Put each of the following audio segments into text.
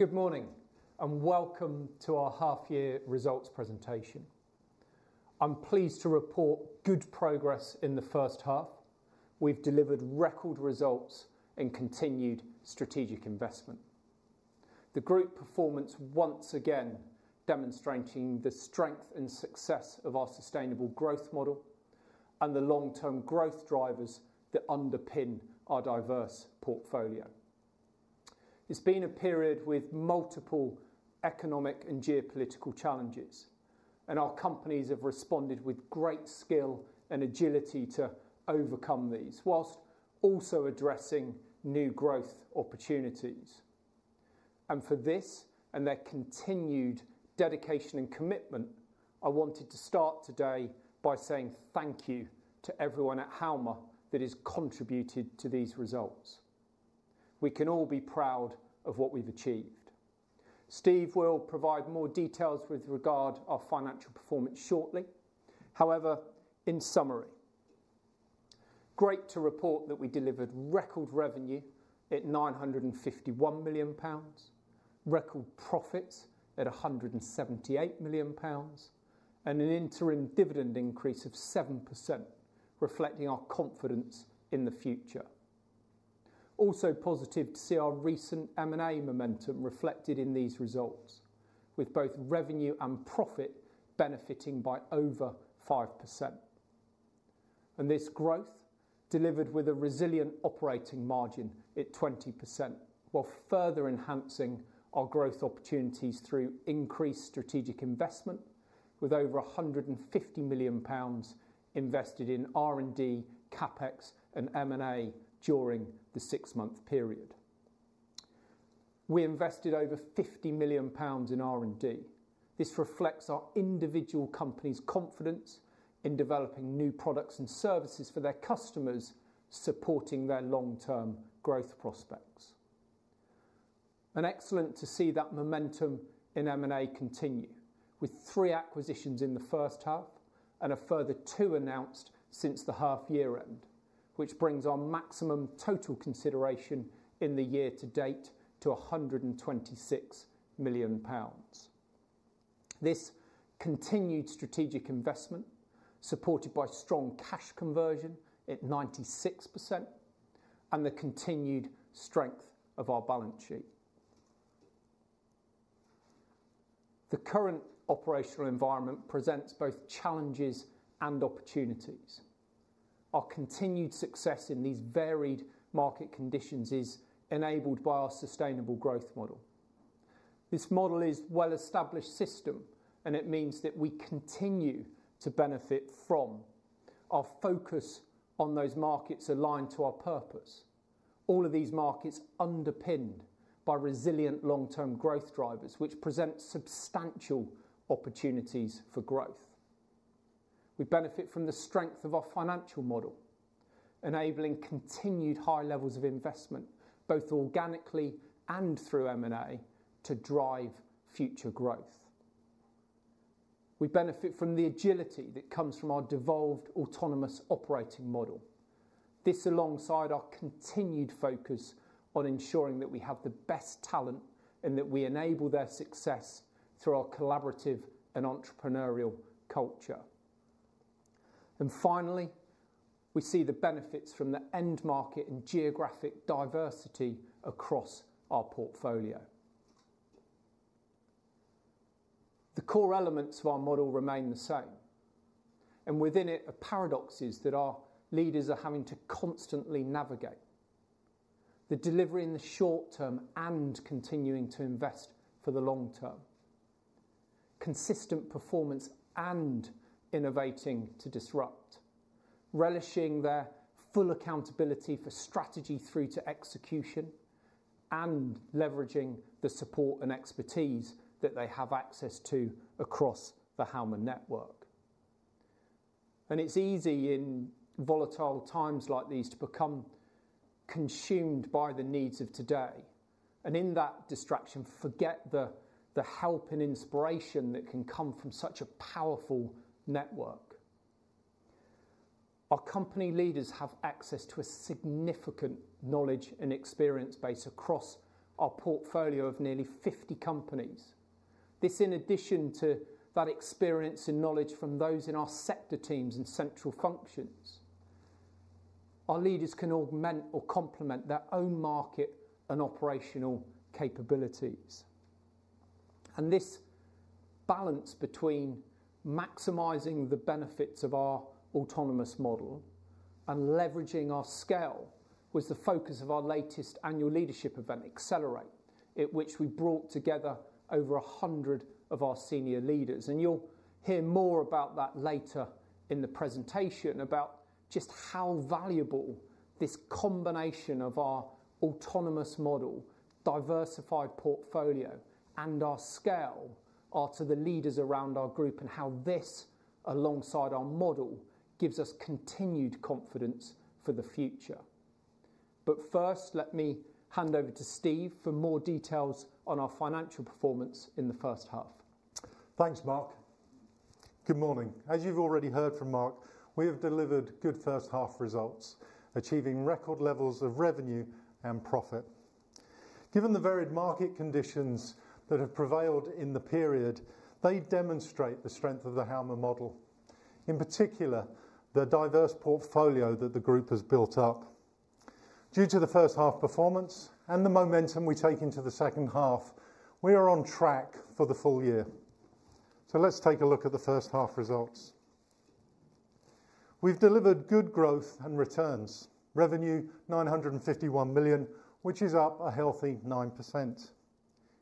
Good morning, and welcome to our half year results presentation. I'm pleased to report good progress in the first half. We've delivered record results and continued strategic investment. The group performance, once again, demonstrating the strength and success of our sustainable growth model and the long-term growth drivers that underpin our diverse portfolio. It's been a period with multiple economic and geopolitical challenges, and our companies have responded with great skill and agility to overcome these, whilst also addressing new growth opportunities. For this, and their continued dedication and commitment, I wanted to start today by saying thank you to everyone at Halma that has contributed to these results. We can all be proud of what we've achieved. Steve will provide more details with regard our financial performance shortly. However, in summary, great to report that we delivered record revenue at 951 million pounds, record profits at 178 million pounds, and an interim dividend increase of 7%, reflecting our confidence in the future. Also positive to see our recent M&A momentum reflected in these results, with both revenue and profit benefiting by over 5%. This growth delivered with a resilient operating margin at 20%, while further enhancing our growth opportunities through increased strategic investment with over 150 million pounds invested in R&D, CapEx, and M&A during the six-month period. We invested over 50 million pounds in R&D. This reflects our individual companies' confidence in developing new products and services for their customers, supporting their long-term growth prospects. Excellent to see that momentum in M&A continue, with three acquisitions in the first half and a further two announced since the half-year end, which brings our maximum total consideration in the year to date to 126 million pounds. This continued strategic investment, supported by strong cash conversion at 96% and the continued strength of our balance sheet. The current operational environment presents both challenges and opportunities. Our continued success in these varied market conditions is enabled by our sustainable growth model. This model is well-established system, and it means that we continue to benefit from our focus on those markets aligned to our purpose. All of these markets underpinned by resilient long-term growth drivers, which present substantial opportunities for growth. We benefit from the strength of our financial model, enabling continued high levels of investment, both organically and through M&A, to drive future growth. We benefit from the agility that comes from our devolved, autonomous operating model. This, alongside our continued focus on ensuring that we have the best talent and that we enable their success through our collaborative and entrepreneurial culture. And finally, we see the benefits from the end market and geographic diversity across our portfolio. The core elements of our model remain the same, and within it are paradoxes that our leaders are having to constantly navigate: the delivery in the short term and continuing to invest for the long term, consistent performance and innovating to disrupt, relishing their full accountability for strategy through to execution, and leveraging the support and expertise that they have access to across the Halma network. It's easy in volatile times like these, to become consumed by the needs of today, and in that distraction, forget the help and inspiration that can come from such a powerful network. Our company leaders have access to a significant knowledge and experience base across our portfolio of nearly 50 companies. This, in addition to that experience and knowledge from those in our sector teams and central functions, our leaders can augment or complement their own market and operational capabilities. This balance between maximizing the benefits of our autonomous model and leveraging our scale was the focus of our latest annual leadership event, Accelerate, at which we brought together over 100 of our senior leaders. And you'll hear more about that later in the presentation, about just how valuable this combination of our autonomous model, diversified portfolio, and our scale are to the leaders around our group, and how this, alongside our model, gives us continued confidence for the future. But first, let me hand over to Steve for more details on our financial performance in the first half. Thanks, Marc. Good morning. As you've already heard from Marc, we have delivered good first half results, achieving record levels of revenue and profit. Given the varied market conditions that have prevailed in the period, they demonstrate the strength of the Halma model, in particular, the diverse portfolio that the group has built up. Due to the first half performance and the momentum we take into the second half, we are on track for the full year. Let's take a look at the first half results. We've delivered good growth and returns. Revenue, 951 million, which is up a healthy 9%.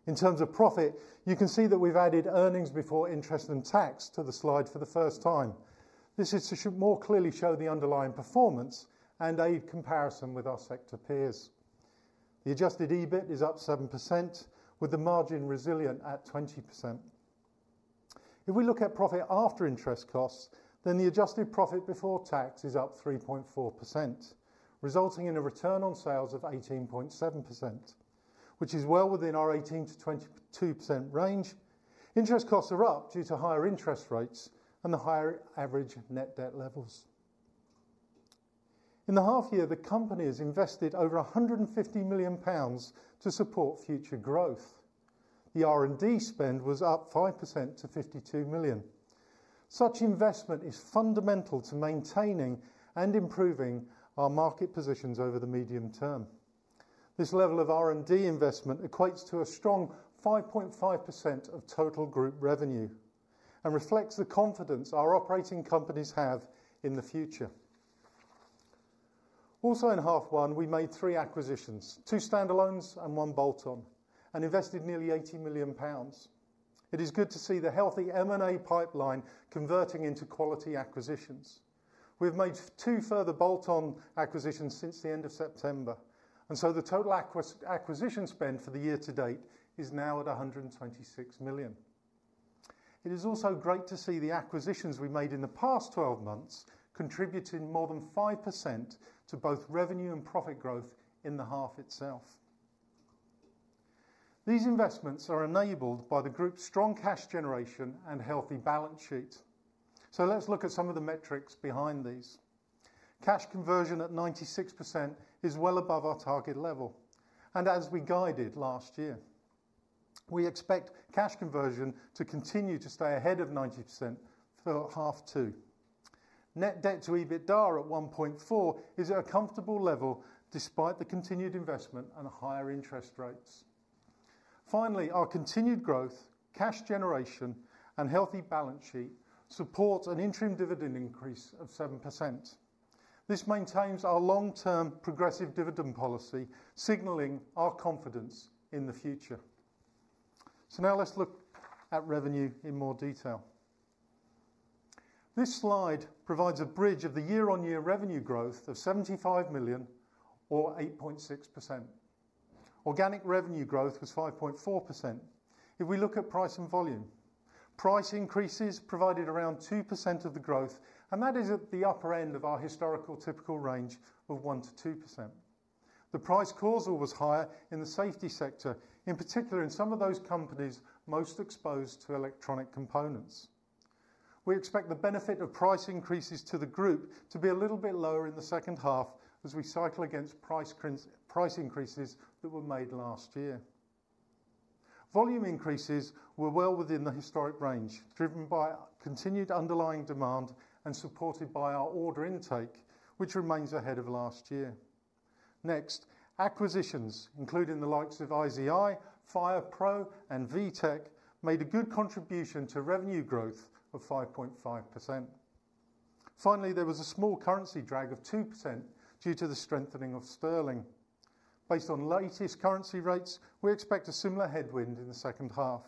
In terms of profit, you can see that we've added earnings before interest and tax to the slide for the first time. This is to show more clearly the underlying performance and aid comparison with our sector peers. The adjusted EBIT is up 7%, with the margin resilient at 20%. If we look at profit after interest costs, then the adjusted profit before tax is up 3.4%, resulting in a return on sales of 18.7%, which is well within our 18%-22% range. Interest costs are up due to higher interest rates and the higher average net debt levels. In the half year, the company has invested over 150 million pounds to support future growth. The R&D spend was up 5% to 52 million. Such investment is fundamental to maintaining and improving our market positions over the medium term. This level of R&D investment equates to a strong 5.5% of total group revenue and reflects the confidence our operating companies have in the future. Also, in half one, we made 3 acquisitions, 2 standalones and 1 bolt-on, and invested nearly 80 million pounds. It is good to see the healthy M&A pipeline converting into quality acquisitions. We've made 2 further bolt-on acquisitions since the end of September, and so the total acquisition spend for the year to date is now at 126 million. It is also great to see the acquisitions we made in the past 12 months, contributing more than 5% to both revenue and profit growth in the half itself. These investments are enabled by the group's strong cash generation and healthy balance sheet. So let's look at some of the metrics behind these. Cash conversion at 96% is well above our target level, and as we guided last year, we expect cash conversion to continue to stay ahead of 90% for half two. Net debt to EBITDA at 1.4 is at a comfortable level, despite the continued investment and higher interest rates. Finally, our continued growth, cash generation, and healthy balance sheet supports an interim dividend increase of 7%. This maintains our long-term progressive dividend policy, signaling our confidence in the future. So now let's look at revenue in more detail. This slide provides a bridge of the year-on-year revenue growth of 75 million or 8.6%. Organic revenue growth was 5.4%. If we look at price and volume, price increases provided around 2% of the growth, and that is at the upper end of our historical typical range of 1%-2%. The pricing was higher in the Safety sector, in particular in some of those companies most exposed to electronic components. We expect the benefit of price increases to the group to be a little bit lower in the second half as we cycle against price increases that were made last year. Volume increases were well within the historic range, driven by continued underlying demand and supported by our order intake, which remains ahead of last year. Next, acquisitions, including the likes of IZI, FirePro, and VTech, made a good contribution to revenue growth of 5.5%. Finally, there was a small currency drag of 2% due to the strengthening of sterling. Based on latest currency rates, we expect a similar headwind in the second half.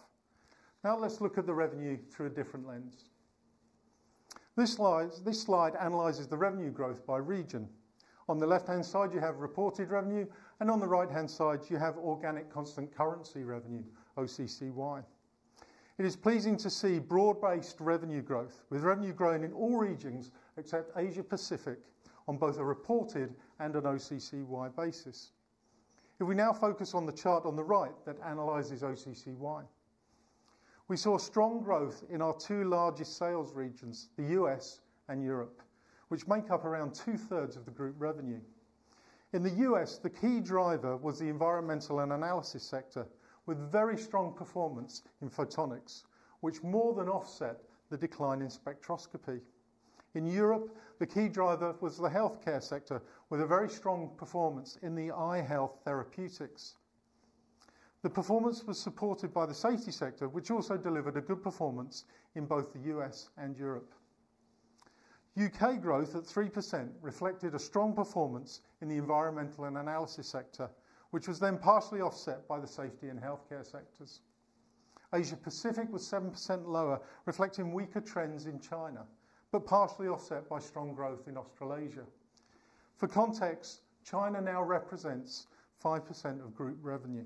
Now, let's look at the revenue through a different lens. This slide analyzes the revenue growth by region. On the left-hand side, you have reported revenue, and on the right-hand side, you have organic constant currency revenue, OCCY. It is pleasing to see broad-based revenue growth, with revenue growing in all regions except Asia Pacific, on both a reported and an OCCY basis. If we now focus on the chart on the right, that analyzes OCCY. We saw strong growth in our two largest sales regions, the U.S. and Europe, which make up around two-thirds of the group revenue. In the U.S., the key driver was the Environmental & Analysis sector, with very strong performance in Photonics, which more than offset the decline in Spectroscopy. In Europe, the key driver was the Healthcare sector, with a very strong performance in the Eye Health Therapeutics. The performance was supported by the Safety sector, which also delivered a good performance in both the U.S. and Europe. UK growth at 3% reflected a strong performance in the Environmental & Analysis sector, which was then partially offset by the Safety and Healthcare sectors. Asia Pacific was 7% lower, reflecting weaker trends in China, but partially offset by strong growth in Australasia. For context, China now represents 5% of group revenue.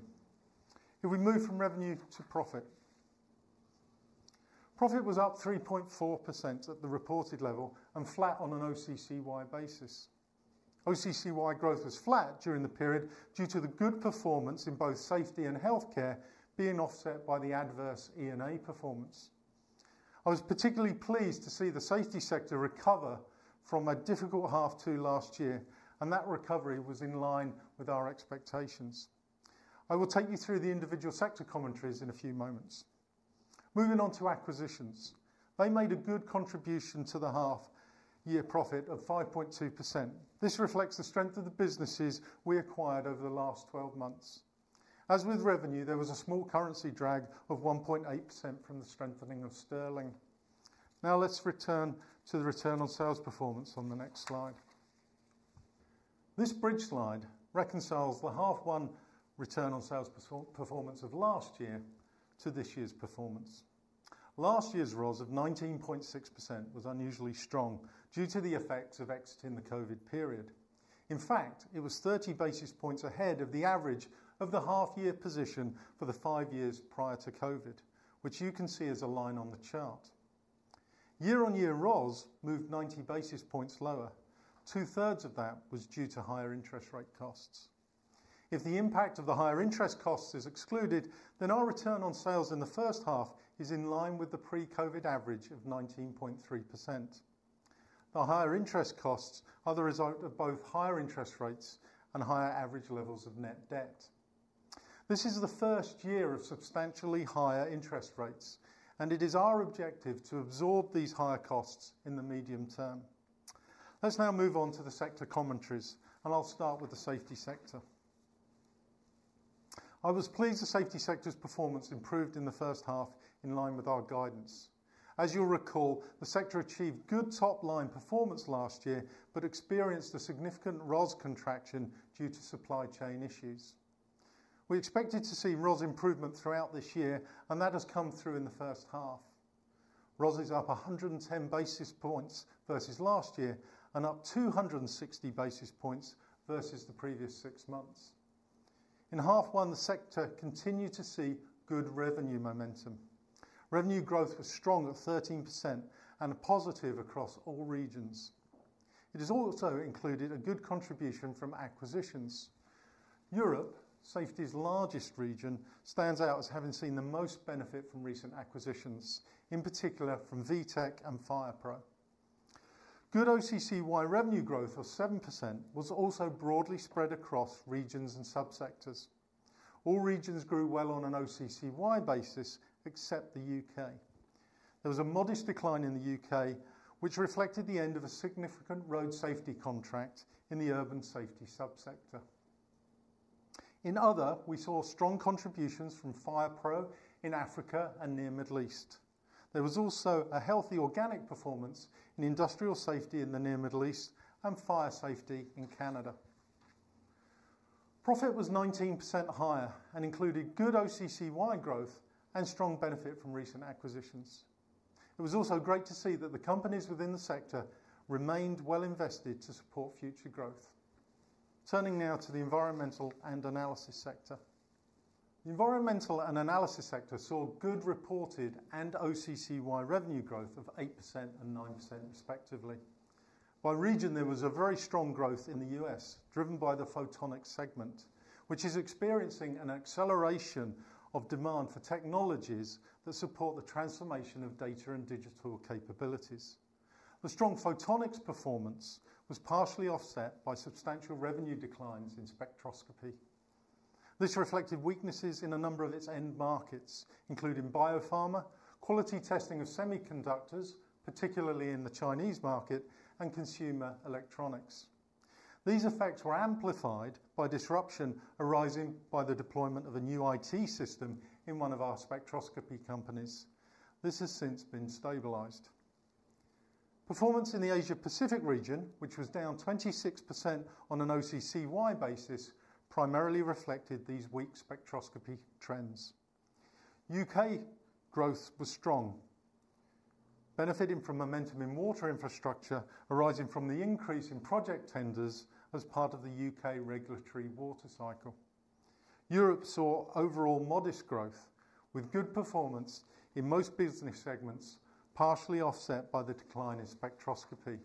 If we move from revenue to profit. Profit was up 3.4% at the reported level and flat on an OCCY basis. OCCY growth was flat during the period due to the good performance in both Safety and Healthcare being offset by the adverse E&A performance. I was particularly pleased to see the Safety sector recover from a difficult half two last year, and that recovery was in line with our expectations. I will take you through the individual sector commentaries in a few moments. Moving on to acquisitions. They made a good contribution to the half-year profit of 5.2%. This reflects the strength of the businesses we acquired over the last 12 months. As with revenue, there was a small currency drag of 1.8% from the strengthening of sterling. Now, let's return to the return on sales performance on the next slide. This bridge slide reconciles the half one return on sales performance of last year to this year's performance. Last year's ROS of 19.6% was unusually strong due to the effects of exiting the COVID period. In fact, it was 30 basis points ahead of the average of the half year position for the 5 years prior to COVID, which you can see is a line on the chart. Year-on-year ROS moved 90 basis points lower. Two-thirds of that was due to higher interest rate costs. If the impact of the higher interest costs is excluded, then our return on sales in the first half is in line with the pre-COVID average of 19.3%. The higher interest costs are the result of both higher interest rates and higher average levels of net debt. This is the first year of substantially higher interest rates, and it is our objective to absorb these higher costs in the medium term. Let's now move on to the sector commentaries, and I'll start with the Safety sector. I was pleased the Safety sector's performance improved in the first half, in line with our guidance. As you'll recall, the sector achieved good top-line performance last year, but experienced a significant ROS contraction due to supply chain issues. We expected to see ROS improvement throughout this year, and that has come through in the first half. ROS is up 110 basis points versus last year and up 260 basis points versus the previous six months. In half one, the sector continued to see good revenue momentum. Revenue growth was strong at 13% and positive across all regions. It has also included a good contribution from acquisitions. Europe, Safety's largest region, stands out as having seen the most benefit from recent acquisitions, in particular from VTech and FirePro. Good OCCY revenue growth of 7% was also broadly spread across regions and sub-sectors. All regions grew well on an OCCY basis, except the UK. There was a modest decline in the UK, which reflected the end of a significant road safety contract in the Urban Safety sub-sector. In other, we saw strong contributions from FirePro in Africa and Near Middle East. There was also a healthy organic performance in Industrial Safety in the Near Middle East and Fire Safety in Canada. Profit was 19% higher and included good OCCY growth and strong benefit from recent acquisitions. It was also great to see that the companies within the sector remained well invested to support future growth. Turning now to the Environmental & Analysis sector. The Environmental & Analysis sector saw good reported and OCCY revenue growth of 8% and 9% respectively. By region, there was a very strong growth in the U.S., driven by the Photonics segment, which is experiencing an acceleration of demand for technologies that support the transformation of data and digital capabilities. The strong Photonics performance was partially offset by substantial revenue declines in Spectroscopy. This reflected weaknesses in a number of its end markets, including biopharma, quality testing of semiconductors, particularly in the Chinese market, and consumer electronics. These effects were amplified by disruption arising by the deployment of a new IT system in one of our Spectroscopy companies. This has since been stabilized. Performance in the Asia Pacific region, which was down 26% on an OCCY basis, primarily reflected these weak Spectroscopy trends. UK growth was strong, benefiting from momentum in water infrastructure arising from the increase in project tenders as part of the UK regulatory water cycle. Europe saw overall modest growth, with good performance in most business segments, partially offset by the decline in Spectroscopy.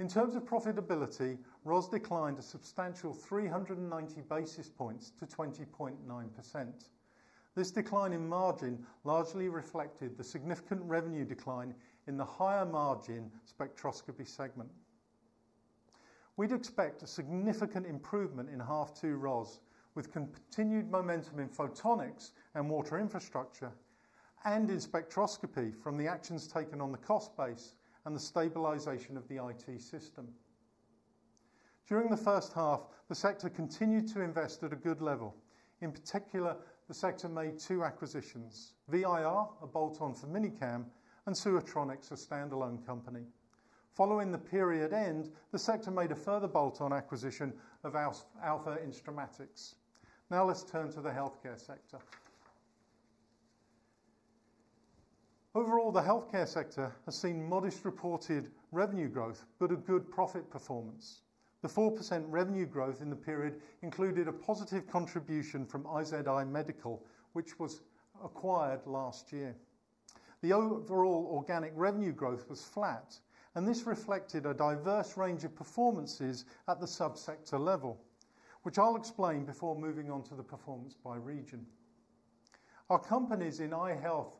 In terms of profitability, ROS declined a substantial 390 basis points to 20.9%. This decline in margin largely reflected the significant revenue decline in the higher margin Spectroscopy segment. We'd expect a significant improvement in half two ROS, with continued momentum in Photonics and water infrastructure and in Spectroscopy from the actions taken on the cost base and the stabilization of the IT system. During the first half, the sector continued to invest at a good level. In particular, the sector made two acquisitions: VIR, a bolt-on for Minicam, and Sewertronics, a standalone company. Following the period end, the sector made a further bolt-on acquisition of Alpha Instruments. Now, let's turn to the Healthcare sector. Overall, the Healthcare sector has seen modest reported revenue growth, but a good profit performance. The 4% revenue growth in the period included a positive contribution from IZI Medical, which was acquired last year.... The overall organic revenue growth was flat, and this reflected a diverse range of performances at the sub-sector level, which I'll explain before moving on to the performance by region. Our companies in Eye Health,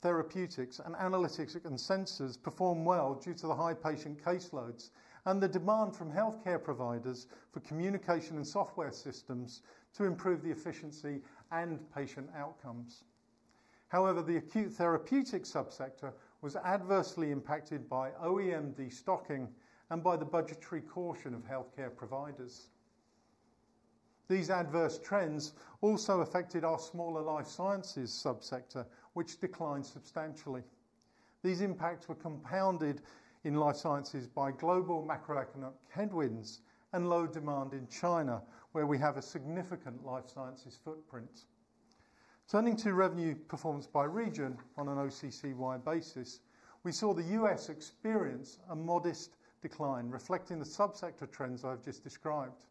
Therapeutics, and Analysis & Sensors performed well due to the high patient caseloads and the demand from Healthcare providers for communication and software systems to improve the efficiency and patient outcomes. However, the Acute Therapeutics sub-sector was adversely impacted by OEM de-stocking and by the budgetary caution of Healthcare providers. These adverse trends also affected our Life Sciences sub-sector, which declined substantially. These impacts were compounded Life Sciences by global macroeconomic headwinds and low demand in China, where we have a Life Sciences footprint. Turning to revenue performance by region on an OCCY basis, we saw the U.S. experience a modest decline, reflecting the sub-sector trends I've just described.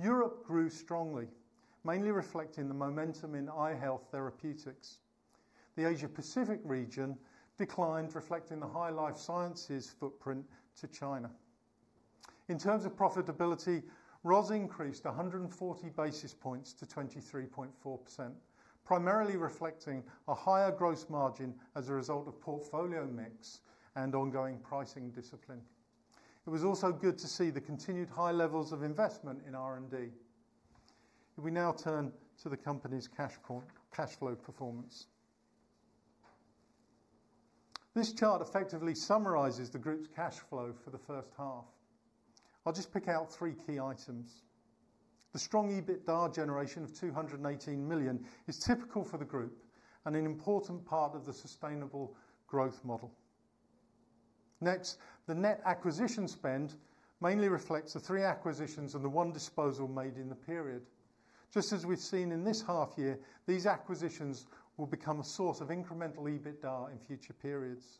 Europe grew strongly, mainly reflecting the momentum in Eye Health Therapeutics. The Asia Pacific region declined, reflecting the Life Sciences footprint to China. In terms of profitability, ROS increased 140 basis points to 23.4%, primarily reflecting a higher gross margin as a result of portfolio mix and ongoing pricing discipline. It was also good to see the continued high levels of investment in R&D. We now turn to the company's cash call—cash flow performance. This chart effectively summarizes the group's cash flow for the first half. I'll just pick out 3 key items. The strong EBITDA generation of 218 million is typical for the group and an important part of the Sustainable Growth Model. Next, the net acquisition spend mainly reflects the 3 acquisitions and the 1 disposal made in the period. Just as we've seen in this half year, these acquisitions will become a source of incremental EBITDA in future periods.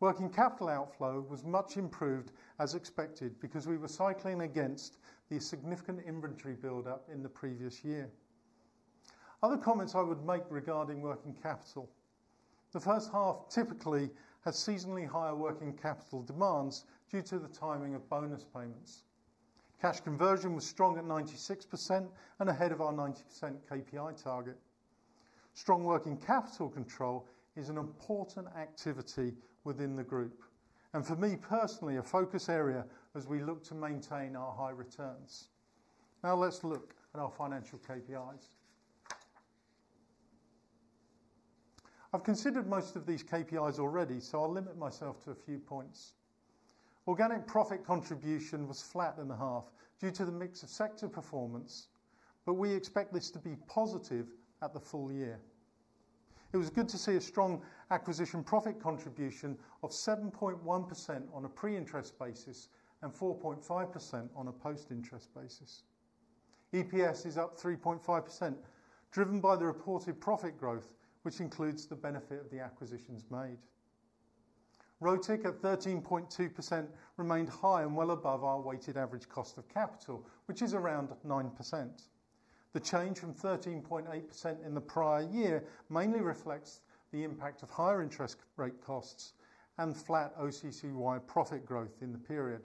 Working capital outflow was much improved, as expected, because we were cycling against the significant inventory buildup in the previous year. Other comments I would make regarding working capital. The first half typically has seasonally higher working capital demands due to the timing of bonus payments. Cash conversion was strong at 96% and ahead of our 90% KPI target. Strong working capital control is an important activity within the group, and for me personally, a focus area as we look to maintain our high returns. Now let's look at our financial KPIs. I've considered most of these KPIs already, so I'll limit myself to a few points. Organic profit contribution was flat in the half due to the mix of sector performance, but we expect this to be positive at the full year. It was good to see a strong acquisition profit contribution of 7.1% on a pre-interest basis and 4.5% on a post-interest basis. EPS is up 3.5%, driven by the reported profit growth, which includes the benefit of the acquisitions made. ROIC at 13.2% remained high and well above our weighted average cost of capital, which is around 9%. The change from 13.8% in the prior year mainly reflects the impact of higher interest rate costs and flat OCCY profit growth in the period.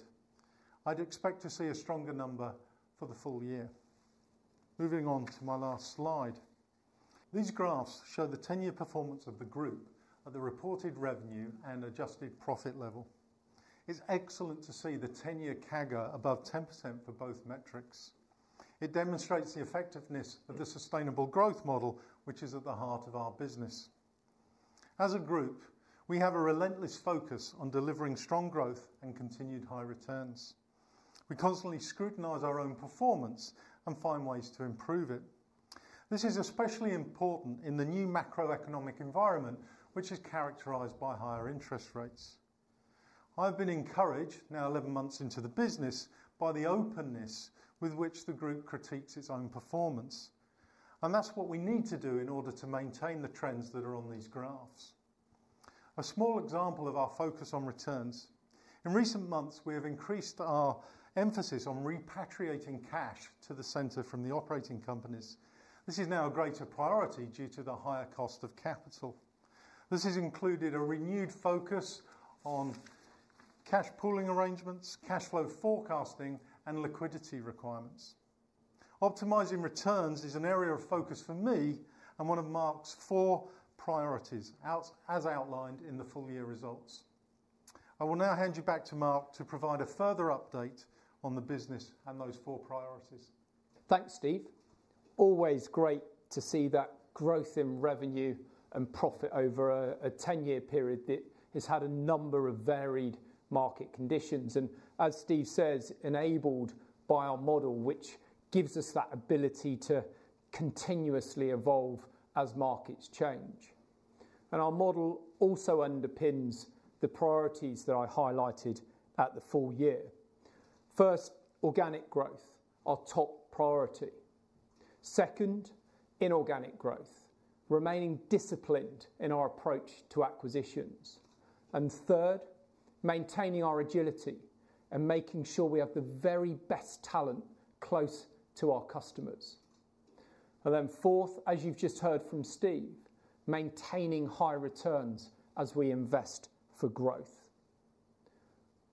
I'd expect to see a stronger number for the full year. Moving on to my last slide. These graphs show the 10-year performance of the group at the reported revenue and adjusted profit level. It's excellent to see the 10-year CAGR above 10% for both metrics. It demonstrates the effectiveness of the Sustainable Growth Model, which is at the heart of our business. As a group, we have a relentless focus on delivering strong growth and continued high returns. We constantly scrutinize our own performance and find ways to improve it. This is especially important in the new macroeconomic environment, which is characterized by higher interest rates. I've been encouraged, now 11 months into the business, by the openness with which the group critiques its own performance, and that's what we need to do in order to maintain the trends that are on these graphs. A small example of our focus on returns: In recent months, we have increased our emphasis on repatriating cash to the center from the operating companies. This is now a greater priority due to the higher cost of capital. This has included a renewed focus on cash pooling arrangements, cash flow forecasting, and liquidity requirements. Optimizing returns is an area of focus for me and one of Marc's four priorities as outlined in the full year results. I will now hand you back to Marc to provide a further update on the business and those four priorities. Thanks, Steve. Always great to see that growth in revenue and profit over a 10-year period that has had a number of varied market conditions, and as Steve says, enabled by our model, which gives us that ability to continuously evolve as markets change. And our model also underpins the priorities that I highlighted at the full year. First, organic growth, our top priority. Second, inorganic growth, remaining disciplined in our approach to acquisitions. And third, maintaining our agility... and making sure we have the very best talent close to our customers. And then fourth, as you've just heard from Steve, maintaining high returns as we invest for growth.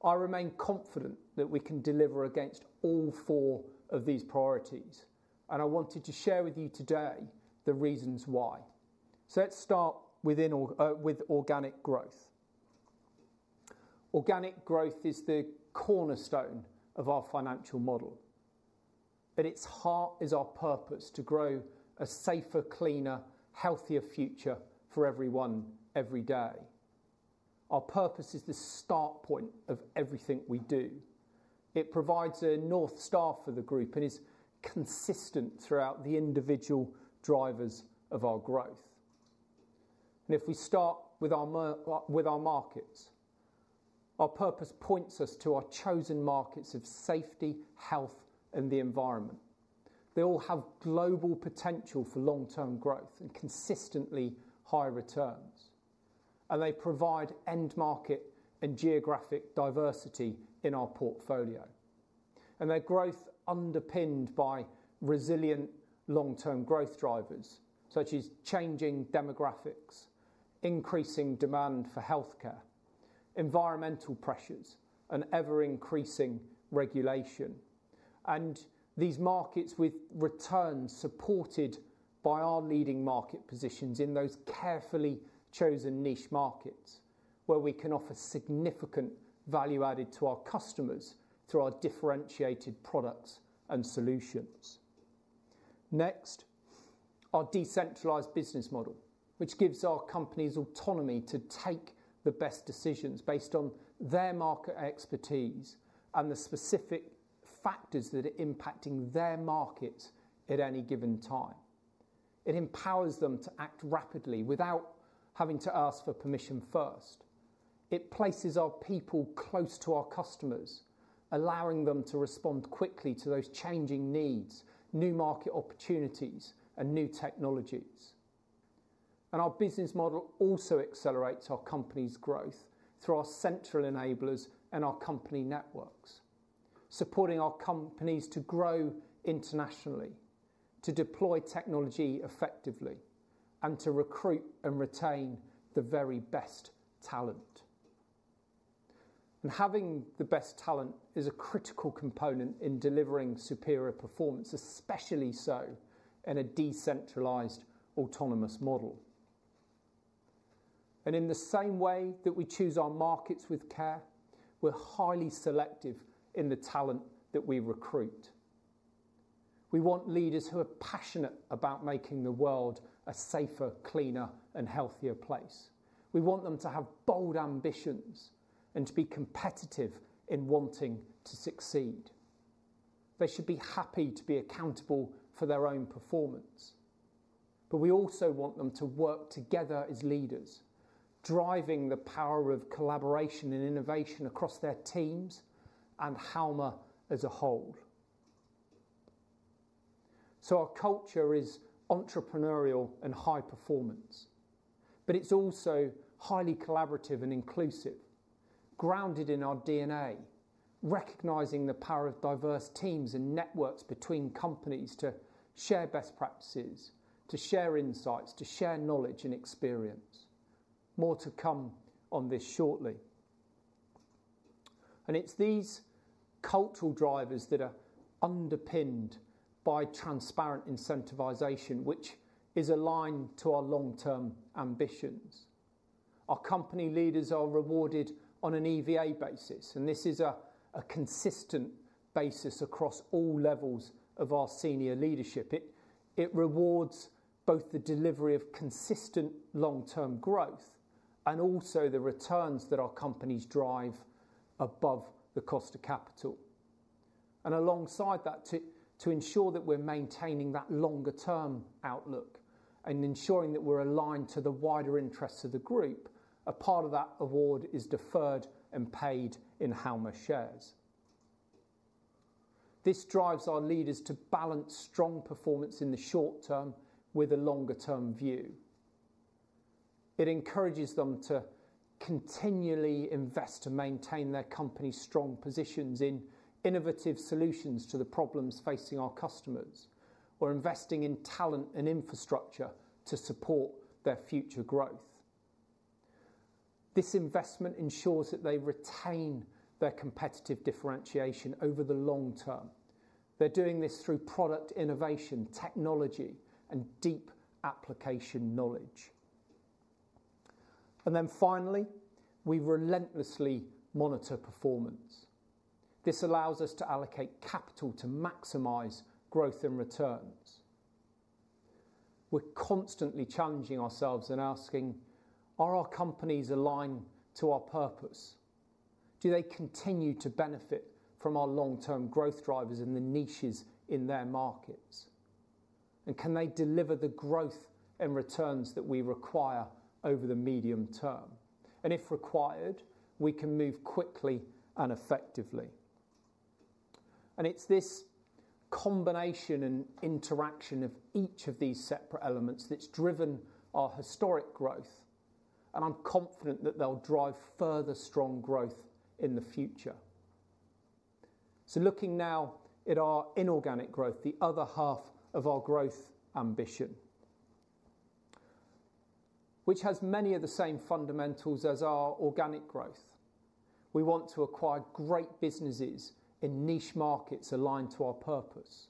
I remain confident that we can deliver against all four of these priorities, and I wanted to share with you today the reasons why. So let's start with organic growth. Organic growth is the cornerstone of our financial model, but its heart is our purpose to grow a safer, cleaner, healthier future for everyone every day. Our purpose is the start point of everything we do. It provides a north star for the group and is consistent throughout the individual drivers of our growth. And if we start with our markets, our purpose points us to our chosen markets of safety, health, and the environment. They all have global potential for long-term growth and consistently high returns, and they provide end market and geographic diversity in our portfolio. And their growth underpinned by resilient long-term growth drivers, such as changing demographics, increasing demand for Healthcare, environmental pressures, and ever-increasing regulation. And these markets with returns supported by our leading market positions in those carefully chosen niche markets, where we can offer significant value added to our customers through our differentiated products and solutions. Next, our decentralized business model, which gives our companies autonomy to take the best decisions based on their market expertise and the specific factors that are impacting their market at any given time. It empowers them to act rapidly without having to ask for permission first. It places our people close to our customers, allowing them to respond quickly to those changing needs, new market opportunities, and new technologies. And our business model also accelerates our company's growth through our central enablers and our company networks, supporting our companies to grow internationally, to deploy technology effectively, and to recruit and retain the very best talent. Having the best talent is a critical component in delivering superior performance, especially so in a decentralized, autonomous model. In the same way that we choose our markets with care, we're highly selective in the talent that we recruit. We want leaders who are passionate about making the world a safer, cleaner, and healthier place. We want them to have bold ambitions and to be competitive in wanting to succeed. They should be happy to be accountable for their own performance, but we also want them to work together as leaders, driving the power of collaboration and innovation across their teams and Halma as a whole. Our culture is entrepreneurial and high performance, but it's also highly collaborative and inclusive, grounded in our DNA, recognizing the power of diverse teams and networks between companies to share best practices, to share insights, to share knowledge and experience. More to come on this shortly. And it's these cultural drivers that are underpinned by transparent incentivization, which is aligned to our long-term ambitions. Our company leaders are rewarded on an EVA basis, and this is a consistent basis across all levels of our senior leadership. It rewards both the delivery of consistent long-term growth and also the returns that our companies drive above the cost of capital. And alongside that, to ensure that we're maintaining that longer term outlook and ensuring that we're aligned to the wider interests of the group, a part of that award is deferred and paid in Halma shares. This drives our leaders to balance strong performance in the short term with a longer term view. It encourages them to continually invest to maintain their company's strong positions in innovative solutions to the problems facing our customers or investing in talent and infrastructure to support their future growth. This investment ensures that they retain their competitive differentiation over the long term. They're doing this through product innovation, technology, and deep application knowledge. Then finally, we relentlessly monitor performance. This allows us to allocate capital to maximize growth and returns. We're constantly challenging ourselves and asking: Are our companies aligned to our purpose? Do they continue to benefit from our long-term growth drivers in the niches in their markets? And can they deliver the growth and returns that we require over the medium term? If required, we can move quickly and effectively. It's this combination and interaction of each of these separate elements that's driven our historic growth, and I'm confident that they'll drive further strong growth in the future. Looking now at our inorganic growth, the other half of our growth ambition, which has many of the same fundamentals as our organic growth. We want to acquire great businesses in niche markets aligned to our purpose.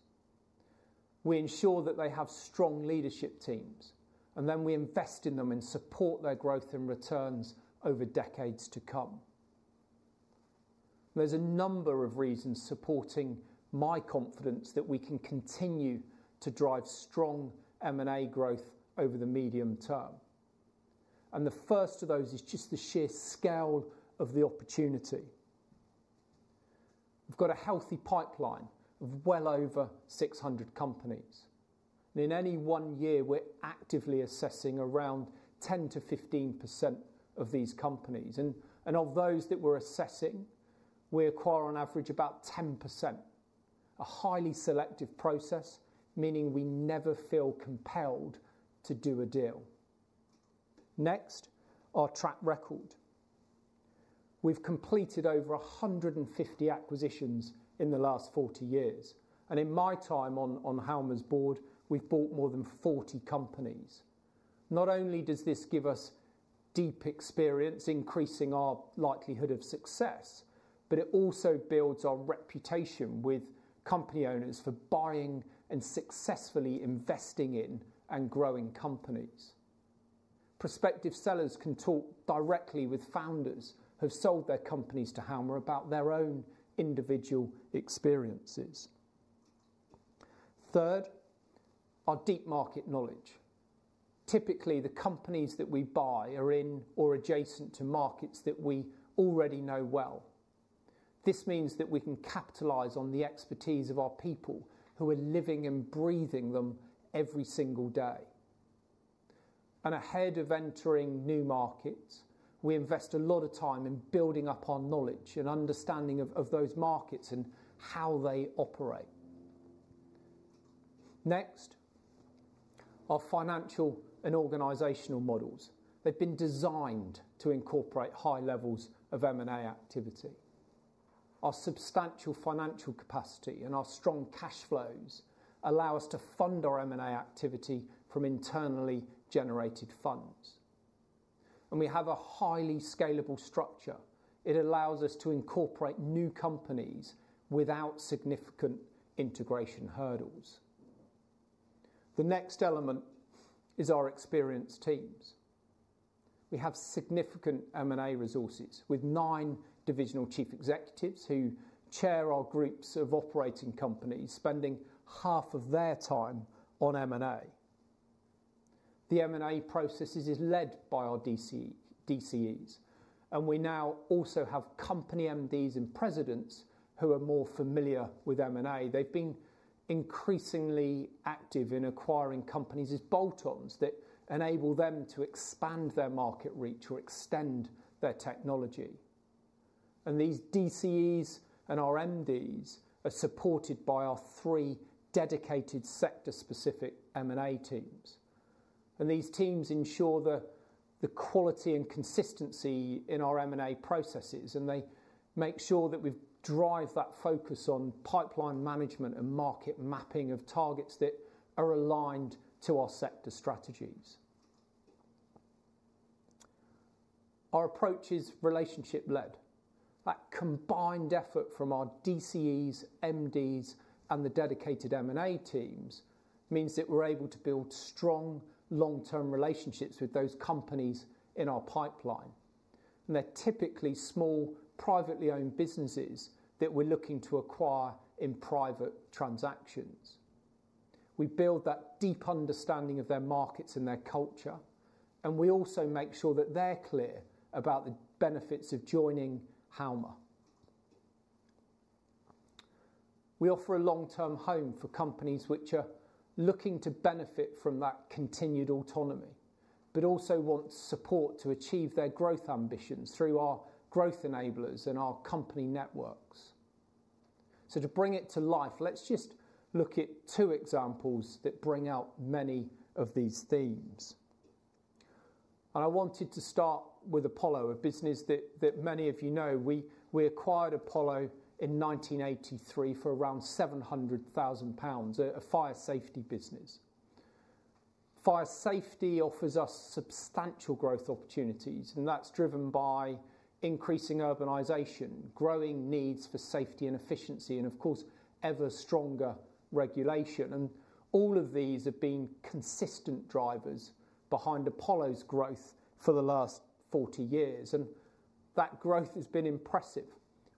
We ensure that they have strong leadership teams, and then we invest in them and support their growth and returns over decades to come. There's a number of reasons supporting my confidence that we can continue to drive strong M&A growth over the medium term, and the first of those is just the sheer scale of the opportunity. We've got a healthy pipeline of well over 600 companies. In any one year, we're actively assessing around 10%-15% of these companies, and of those that we're assessing, we acquire on average about 10%. A highly selective process, meaning we never feel compelled to do a deal. Next, our track record. We've completed over 150 acquisitions in the last 40 years, and in my time on Halma's Board, we've bought more than 40 companies. Not only does this give us deep experience increasing our likelihood of success, but it also builds our reputation with company owners for buying and successfully investing in and growing companies. Prospective sellers can talk directly with founders who've sold their companies to Halma about their own individual experiences. Third, our deep market knowledge. Typically, the companies that we buy are in or adjacent to markets that we already know well. This means that we can capitalize on the expertise of our people who are living and breathing them every single day. Ahead of entering new markets, we invest a lot of time in building up our knowledge and understanding of those markets and how they operate. Next, our financial and organizational models. They've been designed to incorporate high levels of M&A activity. Our substantial financial capacity and our strong cash flows allow us to fund our M&A activity from internally generated funds. We have a highly scalable structure. It allows us to incorporate new companies without significant integration hurdles. The next element is our experienced teams. We have significant M&A resources with nine Divisional Chief Executives who chair our groups of operating companies, spending half of their time on M&A. The M&A processes is led by our DCE, DCEs, and we now also have company MDs and presidents who are more familiar with M&A. They've been increasingly active in acquiring companies as bolt-ons that enable them to expand their market reach or extend their technology. These DCEs and our MDs are supported by our three dedicated sector-specific M&A teams. These teams ensure the quality and consistency in our M&A processes, and they make sure that we drive that focus on pipeline management and market mapping of targets that are aligned to our sector strategies. Our approach is relationship-led. That combined effort from our DCEs, MDs, and the dedicated M&A teams means that we're able to build strong, long-term relationships with those companies in our pipeline, and they're typically small, privately owned businesses that we're looking to acquire in private transactions. We build that deep understanding of their markets and their culture, and we also make sure that they're clear about the benefits of joining Halma. We offer a long-term home for companies which are looking to benefit from that continued autonomy, but also want support to achieve their growth ambitions through our growth enablers and our company networks. So to bring it to life, let's just look at two examples that bring out many of these themes. And I wanted to start with Apollo, a business that many of you know. We acquired Apollo in 1983 for around 700,000 pounds, a Fire Safety business. Fire Safety offers us substantial growth opportunities, and that's driven by increasing urbanization, growing needs for Safety and efficiency, and of course, ever stronger regulation. And all of these have been consistent drivers behind Apollo's growth for the last 40 years. And that growth has been impressive,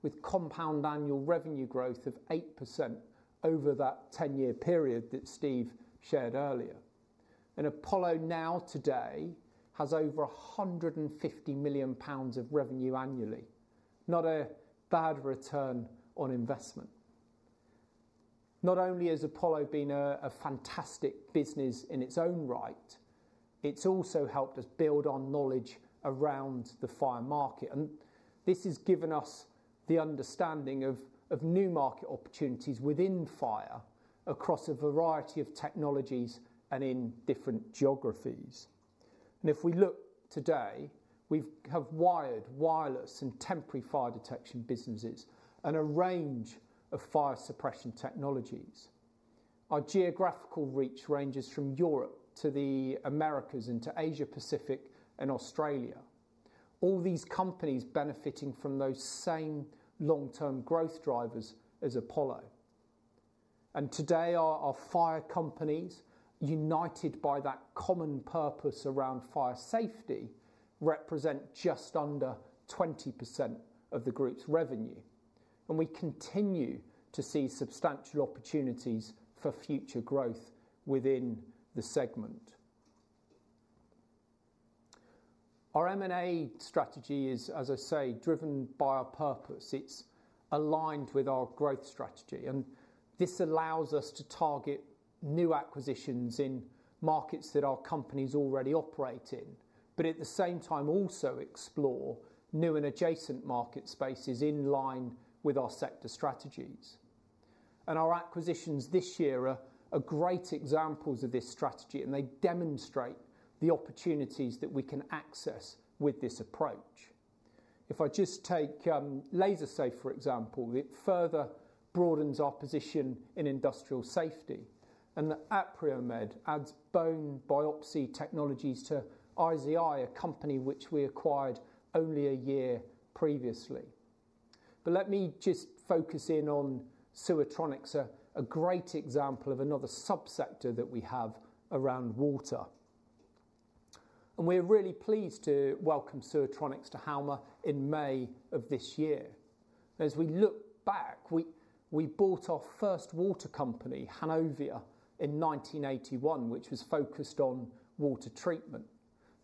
with compound annual revenue growth of 8% over that 10-year period that Steve shared earlier. And Apollo now today has over 150 million pounds of revenue annually. Not a bad return on investment... not only has Apollo been a fantastic business in its own right, it's also helped us build our knowledge around the fire market, and this has given us the understanding of new market opportunities within fire, across a variety of technologies and in different geographies. And if we look today, we have wired, wireless, and temporary fire detection businesses, and a range of fire suppression technologies. Our geographical reach ranges from Europe to the Americas, and to Asia-Pacific and Australia. All these companies benefiting from those same long-term growth drivers as Apollo. And today, our fire companies, united by that common purpose around Fire Safety, represent just under 20% of the group's revenue, and we continue to see substantial opportunities for future growth within the segment. Our M&A strategy is, as I say, driven by our purpose. It's aligned with our growth strategy, and this allows us to target new acquisitions in markets that our companies already operate in, but at the same time, also explore new and adjacent market spaces in line with our sector strategies. And our acquisitions this year are great examples of this strategy, and they demonstrate the opportunities that we can access with this approach. If I just take Lazer Safe, for example, it further broadens our position in Industrial Safety, and the AprioMed adds bone biopsy technologies to IZI, a company which we acquired only a year previously. But let me just focus in on Sewertronics, a great example of another sub-sector that we have around water. And we're really pleased to welcome Sewertronics to Halma in May of this year. As we look back, we bought our first water company, Hanovia, in 1981, which was focused on water treatment.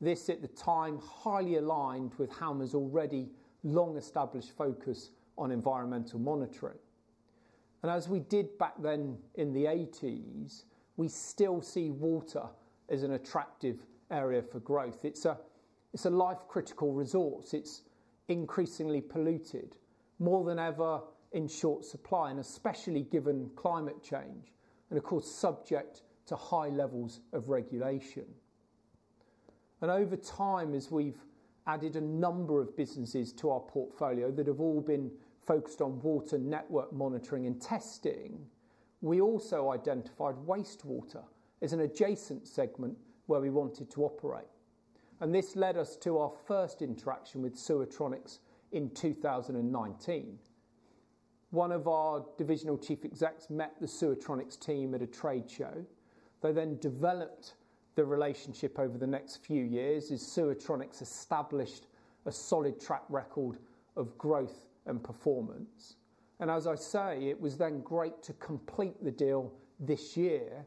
This, at the time, highly aligned with Halma's already long-established focus on environmental monitoring. And as we did back then in the '80s, we still see water as an attractive area for growth. It's a life-critical resource. It's increasingly polluted, more than ever in short supply, and especially given climate change, and of course, subject to high levels of regulation. Over time, as we've added a number of businesses to our portfolio that have all been focused on water network monitoring and testing, we also identified wastewater as an adjacent segment where we wanted to operate, and this led us to our first interaction with Sewertronics in 2019. One of our divisional chief execs met the Sewertronics team at a trade show. They then developed the relationship over the next few years, as Sewertronics established a solid track record of growth and performance. As I say, it was then great to complete the deal this year,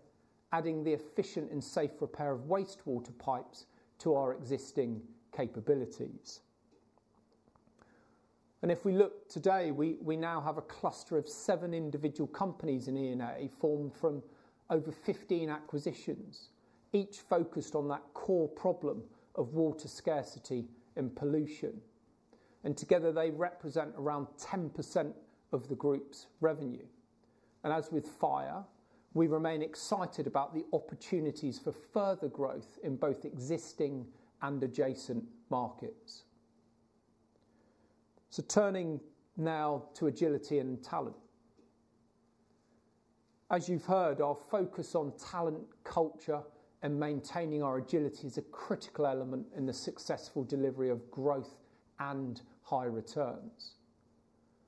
adding the efficient and safe repair of wastewater pipes to our existing capabilities. If we look today, we now have a cluster of seven individual companies in E&A, formed from over 15 acquisitions, each focused on that core problem of water scarcity and pollution, and together they represent around 10% of the group's revenue. As with fire, we remain excited about the opportunities for further growth in both existing and adjacent markets. Turning now to agility and talent. As you've heard, our focus on talent, culture, and maintaining our agility is a critical element in the successful delivery of growth and high returns,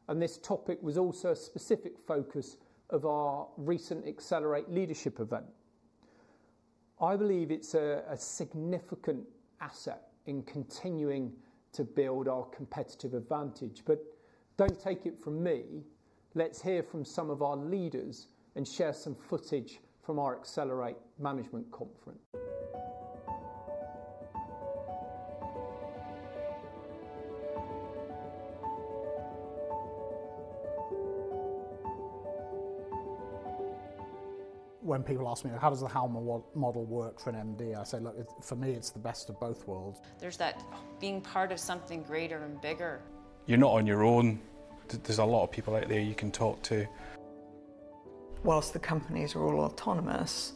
and this topic was also a specific focus of our recent Accelerate leadership event. I believe it's a significant asset in continuing to build our competitive advantage, but don't take it from me. Let's hear from some of our leaders and share some footage from our Accelerate management conference. When people ask me, "How does the Halma model work for an MD?" I say, "Look, it... For me, it's the best of both worlds. There's that being part of something greater and bigger. You're not on your own. There's a lot of people out there you can talk to. While the companies are all autonomous,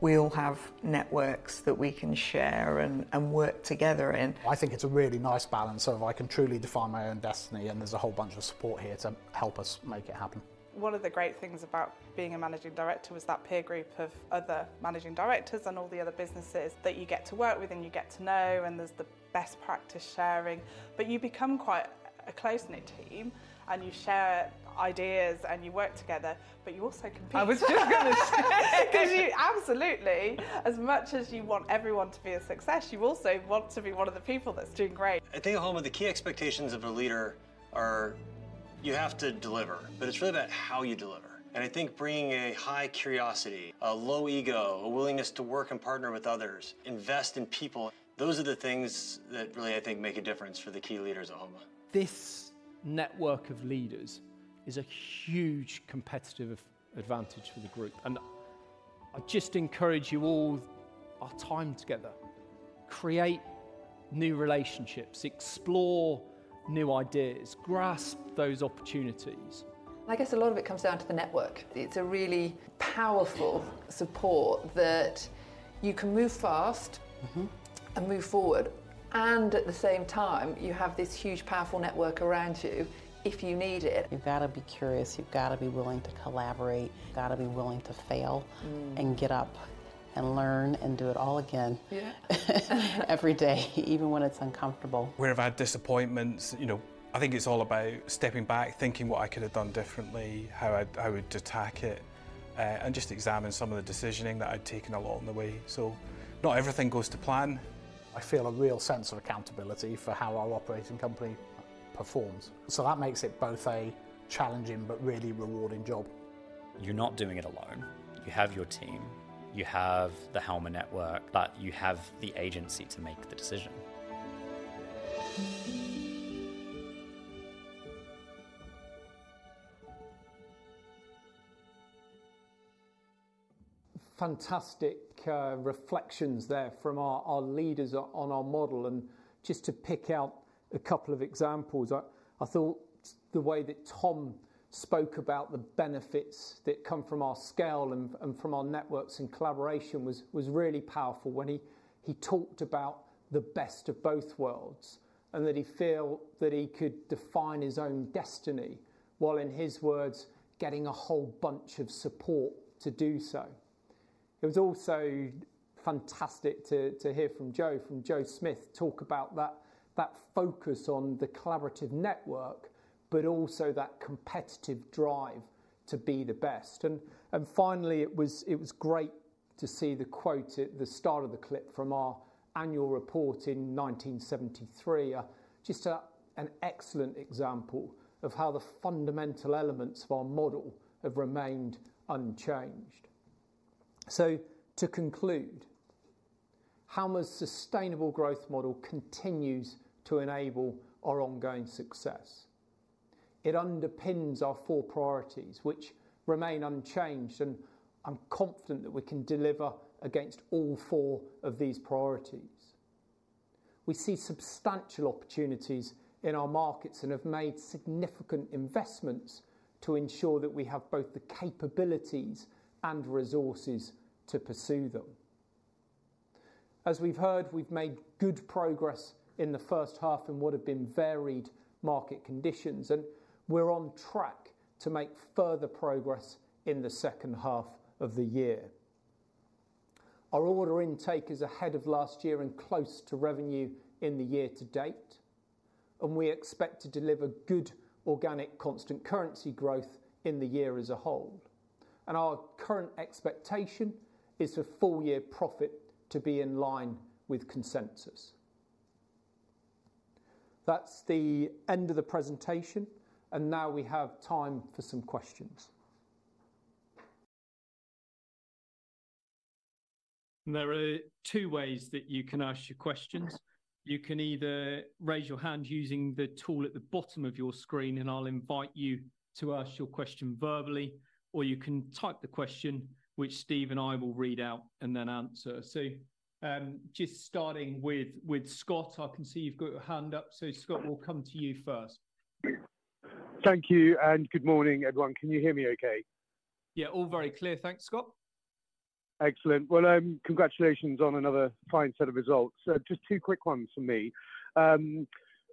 we all have networks that we can share and work together in. I think it's a really nice balance of I can truly define my own destiny, and there's a whole bunch of support here to help us make it happen. One of the great things about being a managing director is that peer group of other managing directors and all the other businesses that you get to work with and you get to know, and there's the best practice sharing. But you become quite a close-knit team, and you share ideas and you work together, but you also compete. I was just gonna say! Because you... Absolutely. As much as you want everyone to be a success, you also want to be one of the people that's doing great. I think at Halma, the key expectations of a leader are you have to deliver, but it's really about how you deliver, and I think bringing a high curiosity, a low ego, a willingness to work and partner with others, invest in people, those are the things that really, I think, make a difference for the key leaders at Halma. This network of leaders is a huge competitive advantage for the group. I just encourage you all. With our time together, create new relationships, explore new ideas, grasp those opportunities. I guess a lot of it comes down to the network. It's a really powerful support that you can move fast- Mm-hmm. and move forward, and at the same time, you have this huge, powerful network around you if you need it. You've got to be curious, you've got to be willing to collaborate, you've got to be willing to fail- Mm. and get up and learn and do it all again. Yeah. Every day, even when it's uncomfortable. Where I've had disappointments, you know, I think it's all about stepping back, thinking what I could have done differently, how I would attack it, and just examine some of the decisioning that I'd taken along the way. Not everything goes to plan. I feel a real sense of accountability for how our operating company performs, so that makes it both a challenging but really rewarding job. You're not doing it alone. You have your team, you have the Halma network, but you have the agency to make the decision. Fantastic, reflections there from our leaders on our model. Just to pick out a couple of examples, I thought the way that Tom spoke about the benefits that come from our scale and from our networks and collaboration was really powerful when he talked about the best of both worlds, and that he feel that he could define his own destiny, while, in his words, "Getting a whole bunch of support to do so." It was also fantastic to hear from Joe, from Joe Smith, talk about that focus on the collaborative network, but also that competitive drive to be the best. Finally, it was great to see the quote at the start of the clip from our annual report in 1973. Just an excellent example of how the fundamental elements of our model have remained unchanged. So to conclude, Halma's Sustainable Growth Model continues to enable our ongoing success. It underpins our four priorities, which remain unchanged, and I'm confident that we can deliver against all four of these priorities. We see substantial opportunities in our markets and have made significant investments to ensure that we have both the capabilities and resources to pursue them. As we've heard, we've made good progress in the first half in what have been varied market conditions, and we're on track to make further progress in the second half of the year. Our order intake is ahead of last year and close to revenue in the year to date, and we expect to deliver good organic constant currency growth in the year as a whole. Our current expectation is for full-year profit to be in line with consensus. That's the end of the presentation, and now we have time for some questions. There are two ways that you can ask your questions. You can either raise your hand using the tool at the bottom of your screen, and I'll invite you to ask your question verbally, or you can type the question, which Steve and I will read out and then answer. So, just starting with Scott, I can see you've got your hand up, so Scott, we'll come to you first. Thank you, and good morning, everyone. Can you hear me okay? Yeah, all very clear. Thanks, Scott. Excellent. Well, congratulations on another fine set of results. So just two quick ones from me.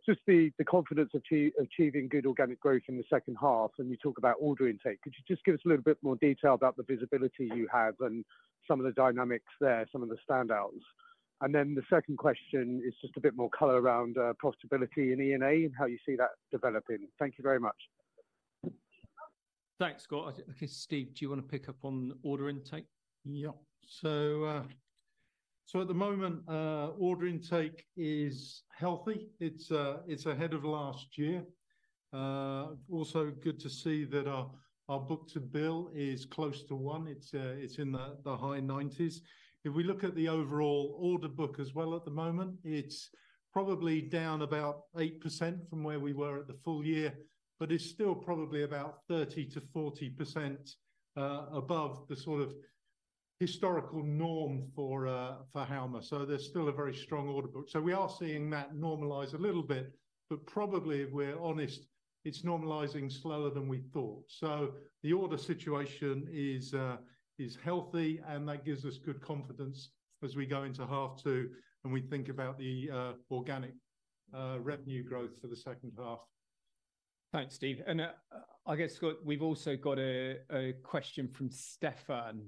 Just the confidence achieving good organic growth in the second half, and you talk about order intake. Could you just give us a little bit more detail about the visibility you have and some of the dynamics there, some of the standouts? And then the second question is just a bit more color around profitability in E&A and how you see that developing. Thank you very much. Thanks, Scott. I think, Steve, do you want to pick up on order intake? Yeah. So, so at the moment, order intake is healthy. It's, it's ahead of last year. Also good to see that our, our book-to-bill is close to 1. It's, it's in the high 90s. If we look at the overall order book as well, at the moment, it's probably down about 8% from where we were at the full year, but it's still probably about 30%-40% above the sort of historical norm for Halma. So there's still a very strong order book. So we are seeing that normalise a little bit, but probably, if we're honest, it's normalising slower than we thought. So the order situation is healthy, and that gives us good confidence as we go into half two and we think about the organic revenue growth for the second half. Thanks, Steve. And, I guess, Scott, we've also got a question from Stefan,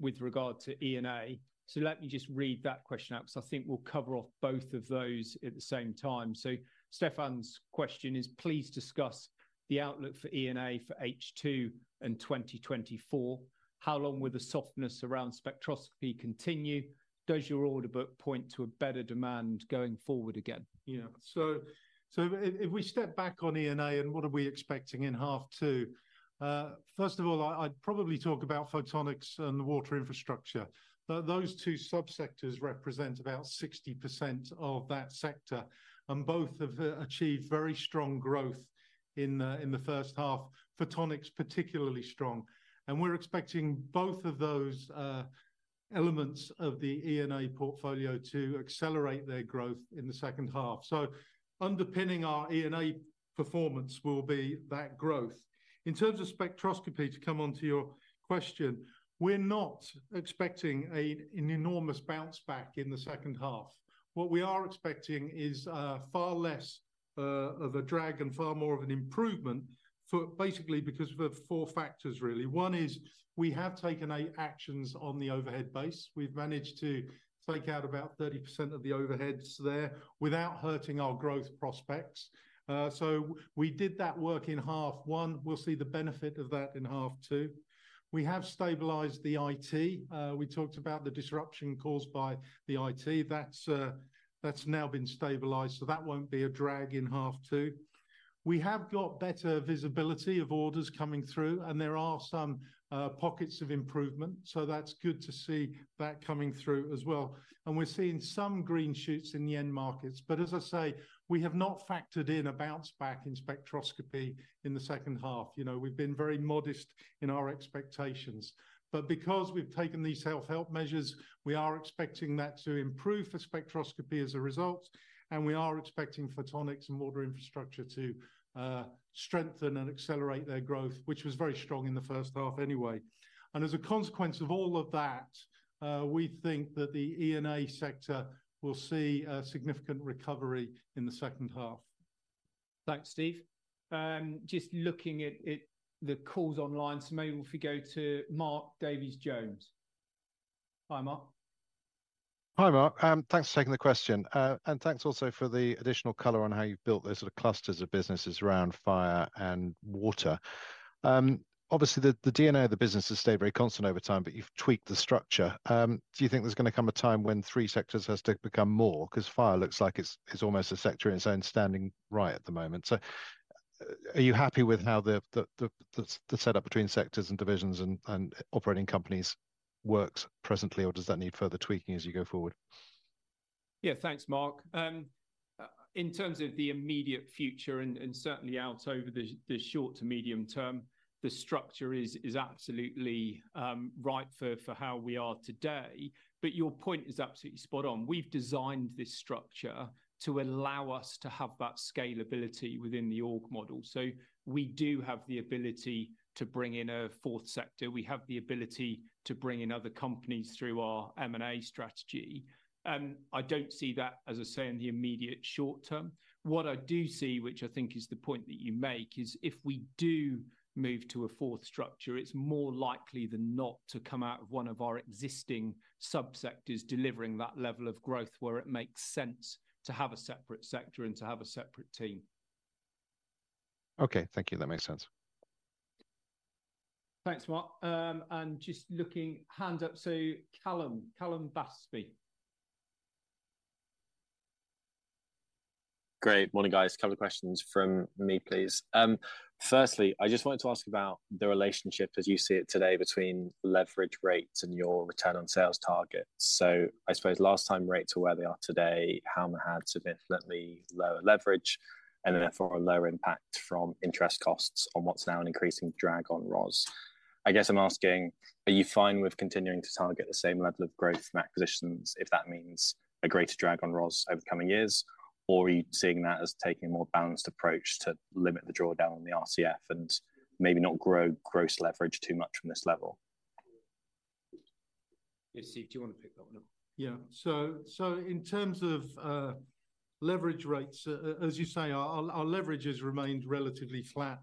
with regard to E&A. So let me just read that question out, because I think we'll cover off both of those at the same time. So Stefan's question is: "Please discuss the outlook for E&A for H2 and 2024. How long will the softness around Spectroscopy continue? Does your order book point to a better demand going forward again? Yeah. So if we step back on E&A and what are we expecting in half two, first of all, I'd probably talk about Photonics and the water infrastructure. But those two subsectors represent about 60% of that sector, and both have achieved very strong growth in the first half. Photonics, particularly strong. And we're expecting both of those elements of the E&A portfolio to accelerate their growth in the second half. So underpinning our E&A performance will be that growth. In terms of Spectroscopy, to come on to your question, we're not expecting an enormous bounce back in the second half. What we are expecting is far less of a drag and far more of an improvement basically because of four factors, really. One is we have taken actions on the overhead base. We've managed to take out about 30% of the overheads there without hurting our growth prospects. So we did that work in half one. We'll see the benefit of that in half two. We have stabilized the IT. We talked about the disruption caused by the IT. That's, that's now been stabilized, so that won't be a drag in half two. We have got better visibility of orders coming through, and there are some pockets of improvement, so that's good to see that coming through as well. And we're seeing some green shoots in the end markets. But as I say, we have not factored in a bounce back in Spectroscopy in the second half. You know, we've been very modest in our expectations, but because we've taken these self-help measures, we are expecting that to improve for Spectroscopy as a result, and we are expecting Photonics and water infrastructure to strengthen and accelerate their growth, which was very strong in the first half anyway. As a consequence of all of that, we think that the E&A sector will see a significant recovery in the second half. Thanks, Steve. Just looking at the calls online, so maybe if we go to Mark Davies Jones. Hi, Mark. Hi, Marc. Thanks for taking the question. And thanks also for the additional color on how you've built those sort of clusters of businesses around fire and water. Obviously, the DNA of the business has stayed very constant over time, but you've tweaked the structure. Do you think there's gonna come a time when three sectors has to become more? 'Cause fire looks like it's almost a sector in its own standing right at the moment. So are you happy with how the setup between sectors and divisions and operating companies works presently, or does that need further tweaking as you go forward? Yeah, thanks, Marc. In terms of the immediate future and certainly out over the short to medium term, the structure is absolutely right for how we are today. But your point is absolutely spot on. We've designed this structure to allow us to have that scalability within the org model. So we do have the ability to bring in a fourth sector. We have the ability to bring in other companies through our M&A strategy. I don't see that, as I say, in the immediate short term. What I do see, which I think is the point that you make, is if we do move to a fourth structure, it's more likely than not to come out of one of our existing sub-sectors delivering that level of growth, where it makes sense to have a separate sector and to have a separate team. Okay. Thank you. That makes sense. Thanks, Marc. And just looking... Hand up, so Callum, Callum Battersby. Great morning, guys. A couple of questions from me, please. Firstly, I just wanted to ask about the relationship as you see it today between leverage rates and your return on sales target. So I suppose last time rates were where they are today, how much had significantly lower leverage and therefore a lower impact from interest costs on what's now an increasing drag on ROS? I guess I'm asking, are you fine with continuing to target the same level of growth from acquisitions, if that means a greater drag on ROS over the coming years? Or are you seeing that as taking a more balanced approach to limit the drawdown on the RCF and maybe not grow gross leverage too much from this level? Yeah, Steve, do you want to pick that one up? Yeah. So in terms of leverage rates, as you say, our leverage has remained relatively flat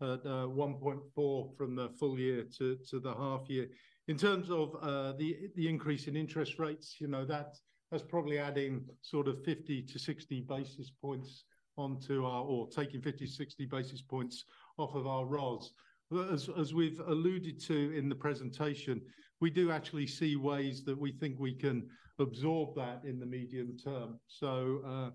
at 1.4 from the full year to the half year. In terms of the increase in interest rates, you know, that's probably adding sort of 50-60 basis points onto our or taking 50-60 basis points off of our ROS. But as we've alluded to in the presentation, we do actually see ways that we think we can absorb that in the medium term. So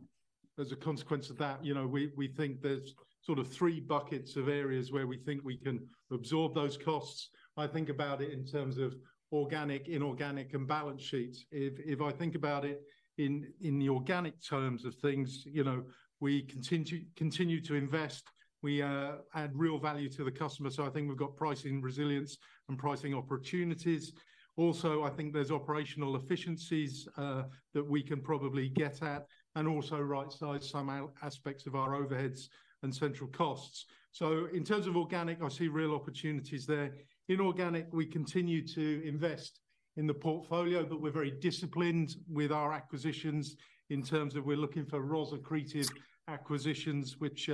as a consequence of that, you know, we think there's sort of three buckets of areas where we think we can absorb those costs. I think about it in terms of organic, inorganic, and balance sheets. If I think about it in the organic terms of things, you know, we continue to invest. We add real value to the customer. So I think we've got pricing resilience and pricing opportunities. Also, I think there's operational efficiencies that we can probably get at and also right-size some out-aspects of our overheads and central costs. So in terms of organic, I see real opportunities there. Inorganic, we continue to invest in the portfolio, but we're very disciplined with our acquisitions in terms of we're looking for ROS accretive acquisitions, which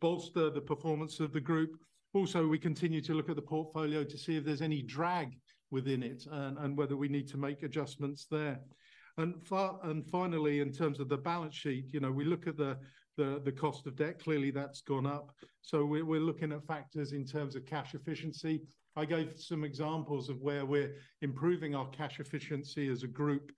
bolster the performance of the group. Also, we continue to look at the portfolio to see if there's any drag within it and whether we need to make adjustments there. And finally, in terms of the balance sheet, you know, we look at the cost of debt. Clearly, that's gone up. So we're looking at factors in terms of cash efficiency. I gave some examples of where we're improving our cash efficiency as a group,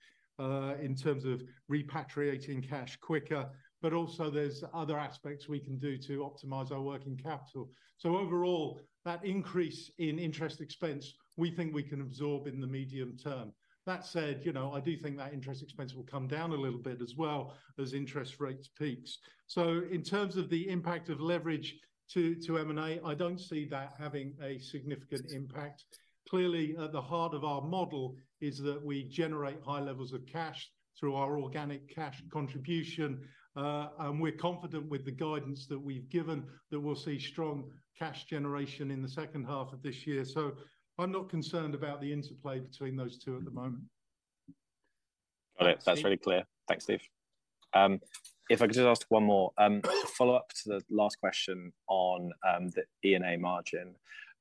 in terms of repatriating cash quicker, but also there's other aspects we can do to optimize our working capital. So overall, that increase in interest expense, we think we can absorb in the medium term. That said, you know, I do think that interest expense will come down a little bit as well, as interest rates peaks. So in terms of the impact of leverage to M&A, I don't see that having a significant impact. Clearly, at the heart of our model is that we generate high levels of cash through our organic cash contribution, and we're confident with the guidance that we've given, that we'll see strong cash generation in the second half of this year. I'm not concerned about the interplay between those two at the moment.... Got it. That's really clear. Thanks, Steve. If I could just ask one more, to follow up to the last question on, the E&A margin.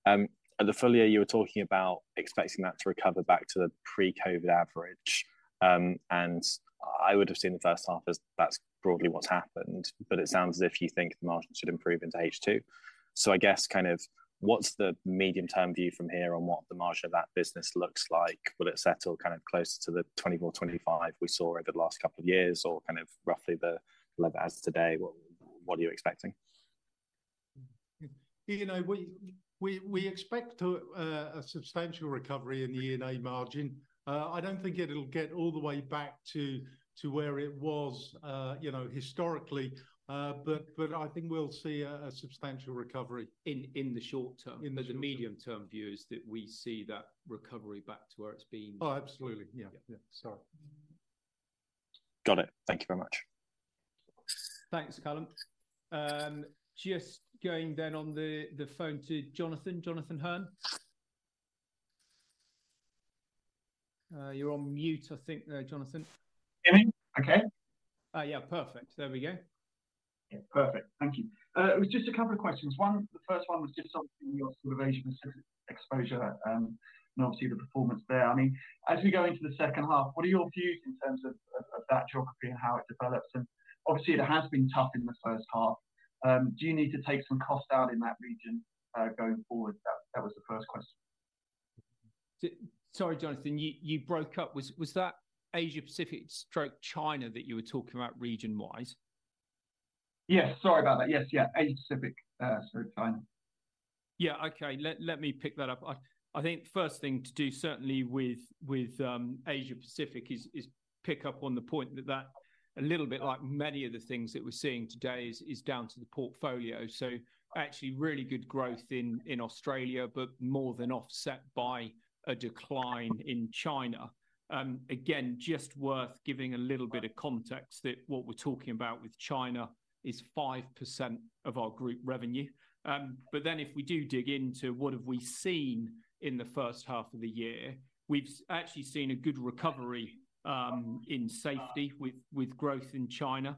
At the full year, you were talking about expecting that to recover back to the pre-COVID average. I would've seen the first half as that's broadly what's happened, but it sounds as if you think the margin should improve into H2. So I guess kind of what's the medium term view from here on what the margin of that business looks like? Will it settle kind of closer to the 2024, 2025 we saw over the last couple of years, or kind of roughly the level as today? What, what are you expecting? You know, we expect a substantial recovery in the E&A margin. I don't think it'll get all the way back to where it was, you know, historically. But I think we'll see a substantial recovery- In the short term. In the short term. But the medium term view is that we see that recovery back to where it's been. Oh, absolutely. Yeah. Yeah. Yeah, sorry. Got it. Thank you very much. Thanks, Callum. Just going then on the phone to Jonathan Hurn. You're on mute, I think there, Jonathan. Can you hear me okay? Yeah. Perfect. There we go. Yeah, perfect. Thank you. It was just a couple of questions. One, the first one was just on your sort of Asia Pacific exposure, and obviously the performance there. I mean, as we go into the second half, what are your views in terms of that geography and how it develops? And obviously, it has been tough in the first half. Do you need to take some cost out in that region going forward? That was the first question. Sorry, Jonathan, you broke up. Was that Asia Pacific/China that you were talking about region-wise? Yes, sorry about that. Yes, yeah, Asia Pacific, sorry, China. Yeah, okay. Let me pick that up. I think first thing to do, certainly with Asia Pacific, is to pick up on the point that a little bit like many of the things that we're seeing today is down to the portfolio. So actually, really good growth in Australia, but more than offset by a decline in China. Again, just worth giving a little bit of context that what we're talking about with China is 5% of our group revenue. But then if we do dig into what have we seen in the first half of the year, we've actually seen a good recovery in safety with growth in China.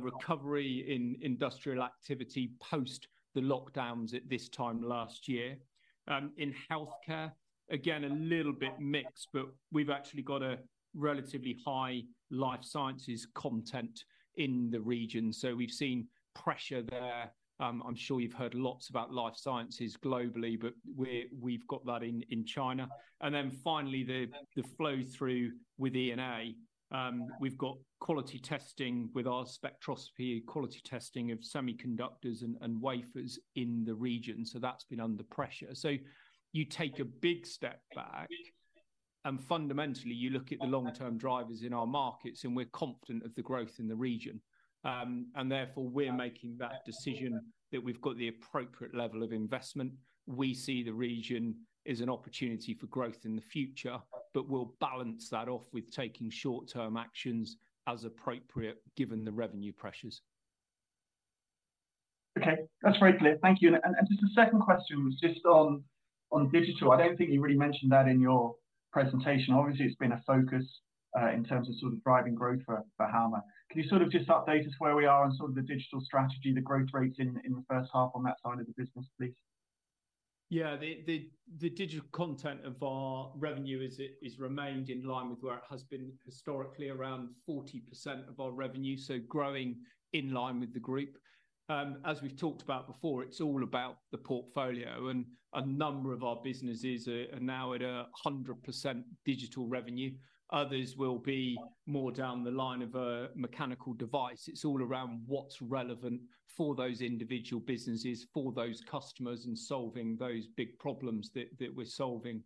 Recovery in industrial activity post the lockdowns at this time last year. In Healthcare, again, a little bit mixed, but we've actually got a relatively Life Sciences content in the region, so we've seen pressure there. I'm sure you've heard lots Life Sciences globally, but we've got that in China. And then finally, the flow through with E&A, we've got quality testing with our Spectroscopy, quality testing of semiconductors and wafers in the region, so that's been under pressure. So you take a big step back, and fundamentally, you look at the long-term drivers in our markets, and we're confident of the growth in the region. And therefore, we're making that decision that we've got the appropriate level of investment. We see the region as an opportunity for growth in the future, but we'll balance that off with taking short-term actions as appropriate, given the revenue pressures. Okay, that's very clear. Thank you. And just a second question was just on digital. I don't think you really mentioned that in your presentation. Obviously, it's been a focus in terms of sort of driving growth for Halma. Can you sort of just update us where we are on sort of the digital strategy, the growth rates in the first half on that side of the business, please? Yeah, the digital content of our revenue has remained in line with where it has been historically, around 40% of our revenue, so growing in line with the group. As we've talked about before, it's all about the portfolio, and a number of our businesses are now at 100% digital revenue. Others will be more down the line of a mechanical device. It's all around what's relevant for those individual businesses, for those customers, and solving those big problems that we're solving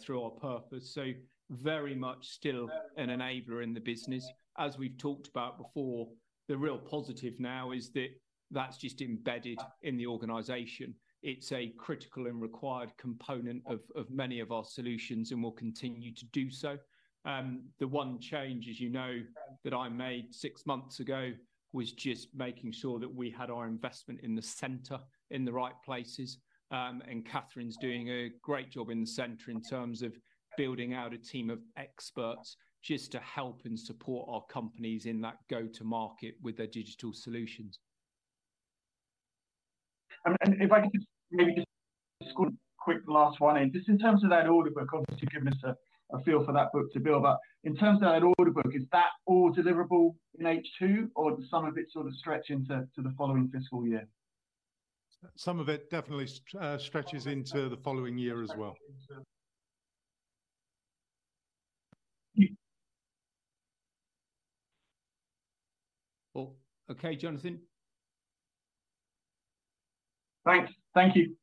through our purpose. So very much still an enabler in the business. As we've talked about before, the real positive now is that that's just embedded in the organization. It's a critical and required component of many of our solutions and will continue to do so. The one change, as you know, that I made six months ago, was just making sure that we had our investment in the center in the right places. And Catherine's doing a great job in the center in terms of building out a team of experts just to help and support our companies in that go-to market with their digital solutions. And if I could just maybe just score a quick last one in. Just in terms of that order book, obviously you've given us a feel for that book-to-bill, but in terms of that order book, is that all deliverable in H2, or do some of it sort of stretch into the following fiscal year? Some of it definitely stretches into the following year as well. Thank you.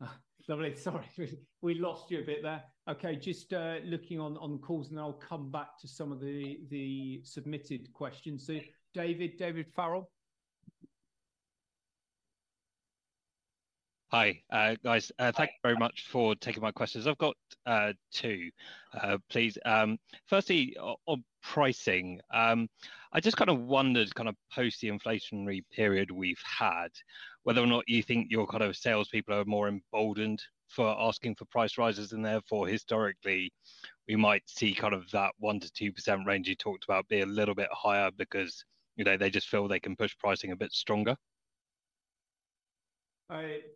Oh, okay, Jonathan? Thank you. Ah, lovely! Sorry, we lost you a bit there. Okay, just looking on, on the calls, and then I'll come back to some of the submitted questions. So David, David Farrell?... Hi, guys. Thank you very much for taking my questions. I've got two, please. Firstly, on pricing, I just kind of wondered, kind of post the inflationary period we've had, whether or not you think your kind of salespeople are more emboldened for asking for price rises, and therefore, historically, we might see kind of that 1%-2% range you talked about be a little bit higher because, you know, they just feel they can push pricing a bit stronger?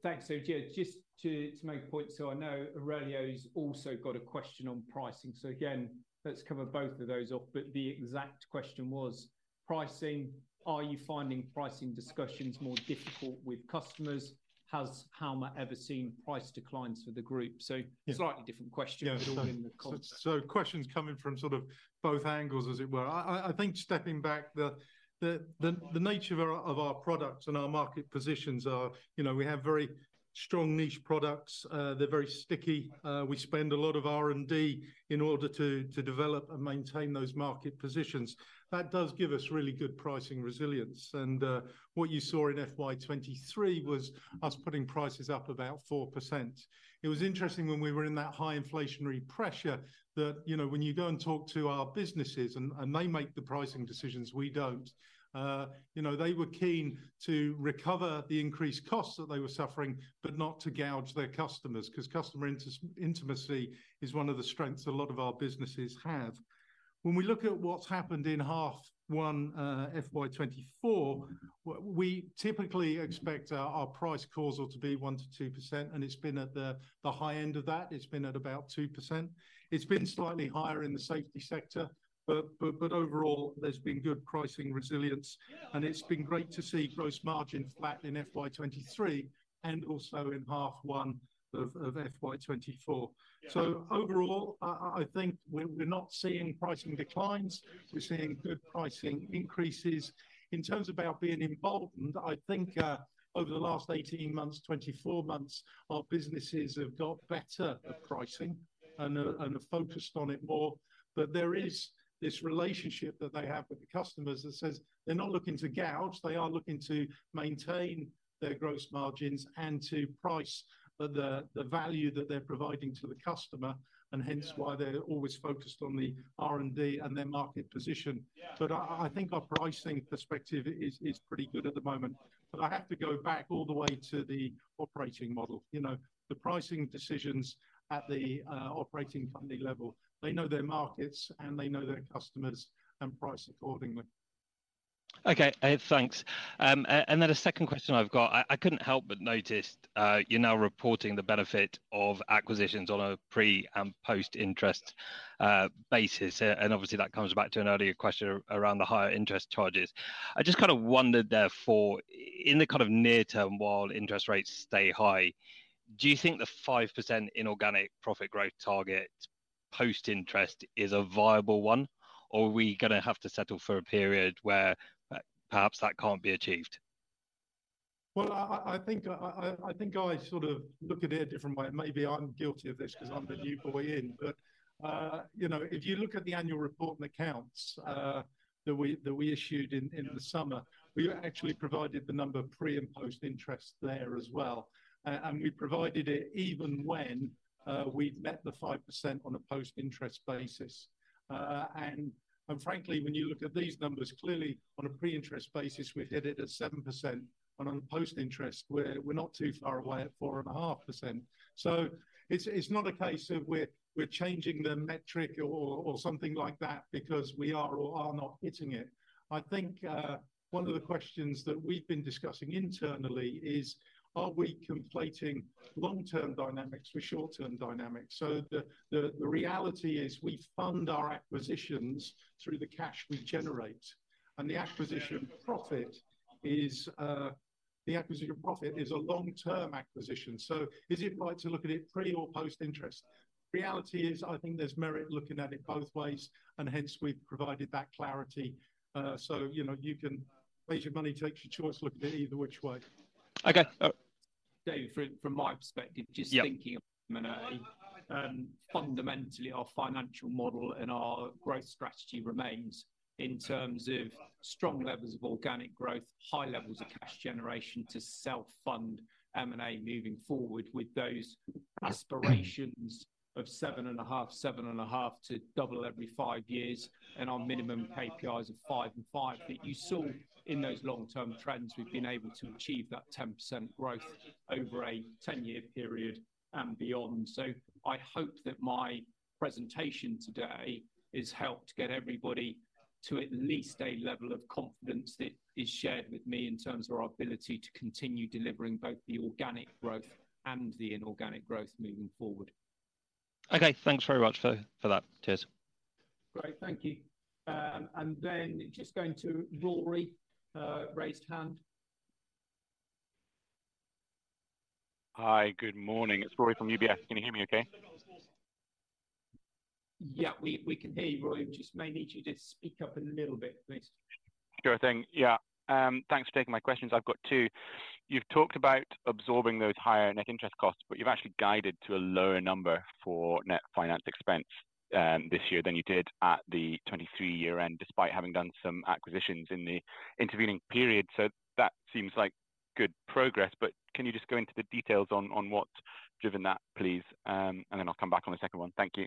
Thanks. So, yeah, just to, to make a point, so I know Aurelio's also got a question on pricing. So again, let's cover both of those off, but the exact question was: pricing, are you finding pricing discussions more difficult with customers? Has Halma ever seen price declines for the group? Yeah. Slightly different question- Yeah. But all in the context. Questions coming from sort of both angles, as it were. I think stepping back, the nature of our products and our market positions are, you know, we have very strong niche products. They're very sticky. We spend a lot of R&D in order to develop and maintain those market positions. That does give us really good pricing resilience, and what you saw in FY 2023 was us putting prices up about 4%. It was interesting when we were in that high inflationary pressure that, you know, when you go and talk to our businesses, and they make the pricing decisions, we don't, you know, they were keen to recover the increased costs that they were suffering, but not to gouge their customers, 'cause customer intimacy is one of the strengths a lot of our businesses have. When we look at what's happened in half one, FY 2024, we typically expect our pricing to be 1%-2%, and it's been at the high end of that. It's been at about 2%. It's been slightly higher in the Safety sector, but overall, there's been good pricing resilience, and it's been great to see gross margin flat in FY 2023 and also in half one of FY 2024. So overall, I think we're not seeing pricing declines. We're seeing good pricing increases. In terms of our being emboldened, I think over the last 18 months, 24 months, our businesses have got better at pricing and are and are focused on it more. But there is this relationship that they have with the customers that says they're not looking to gouge, they are looking to maintain their gross margins and to price the the value that they're providing to the customer, and hence why they're always focused on the R&D and their market position. But I think our pricing perspective is pretty good at the moment, but I have to go back all the way to the operating model. You know, the pricing decisions at the operating company level, they know their markets, and they know their customers and price accordingly. Okay, thanks. And then a second question I've got, I couldn't help but notice, you're now reporting the benefit of acquisitions on a pre- and post-interest basis, and obviously, that comes back to an earlier question around the higher interest charges. I just kind of wondered, therefore, in the kind of near term, while interest rates stay high, do you think the 5% inorganic profit growth target post interest is a viable one, or are we gonna have to settle for a period where, perhaps that can't be achieved? Well, I think I sort of look at it a different way, and maybe I'm guilty of this 'cause I'm the new boy in. But, you know, if you look at the annual report and accounts that we issued in the summer, we actually provided the number of pre- and post-interest there as well. And we provided it even when we'd met the 5% on a post-interest basis. And frankly, when you look at these numbers, clearly on a pre-interest basis, we'd hit it at 7%, and on post-interest, we're not too far away at 4.5%. So it's not a case of we're changing the metric or something like that because we are or are not hitting it. I think, one of the questions that we've been discussing internally is: Are we conflating long-term dynamics with short-term dynamics? So the reality is we fund our acquisitions through the cash we generate, and the acquisition profit is a long-term acquisition. So is it right to look at it pre- or post-interest? Reality is, I think there's merit looking at it both ways, and hence we've provided that clarity. So, you know, you can place your money, take your choice, look at it either which way. Okay, uh- Dave, from my perspective- Yeah... just thinking of M&A, fundamentally, our financial model and our growth strategy remains in terms of strong levels of organic growth, high levels of cash generation to self-fund M&A moving forward with those aspirations of 7.5, 7.5 to double every five years, and our minimum KPIs of 5 and 5. But you saw in those long-term trends, we've been able to achieve that 10% growth over a 10-year period and beyond. So I hope that my presentation today has helped get everybody to at least a level of confidence that is shared with me in terms of our ability to continue delivering both the organic growth and the inorganic growth moving forward. Okay, thanks very much for that. Cheers. Great, thank you. And then just going to Rory, raised hand. Hi, good morning. It's Rory from UBS. Can you hear me okay? Yeah, we can hear you, Rory. Just may need you to speak up a little bit, please. Sure thing. Yeah, thanks for taking my questions. I've got two. You've talked about absorbing those higher net interest costs, but you've actually guided to a lower number for net finance expense this year than you did at the 2023 year end, despite having done some acquisitions in the intervening period. So that seems like good progress, but can you just go into the details on what's driven that, please? And then I'll come back on the second one. Thank you....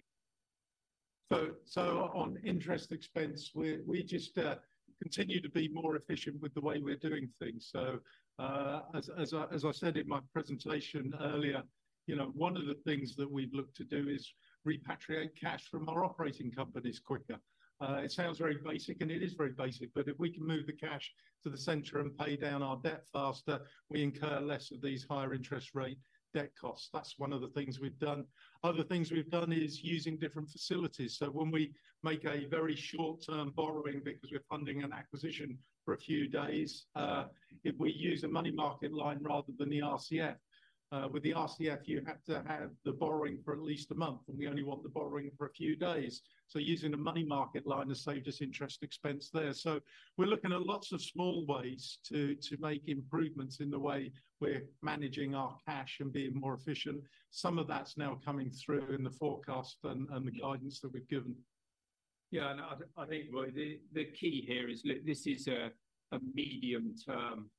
So on interest expense, we just continue to be more efficient with the way we're doing things. So, as I said in my presentation earlier, you know, one of the things that we've looked to do is repatriate cash from our operating companies quicker. It sounds very basic, and it is very basic, but if we can move the cash to the center and pay down our debt faster, we incur less of these higher interest rate debt costs. That's one of the things we've done. Other things we've done is using different facilities. So when we make a very short-term borrowing because we're funding an acquisition for a few days, if we use a money market line rather than the RCF, with the RCF you have to have the borrowing for at least a month, and we only want the borrowing for a few days. So using a money market line has saved us interest expense there. So we're looking at lots of small ways to make improvements in the way we're managing our cash and being more efficient. Some of that's now coming through in the forecast and the guidance that we've given. Yeah, and I think, Rory, the key here is this is a medium term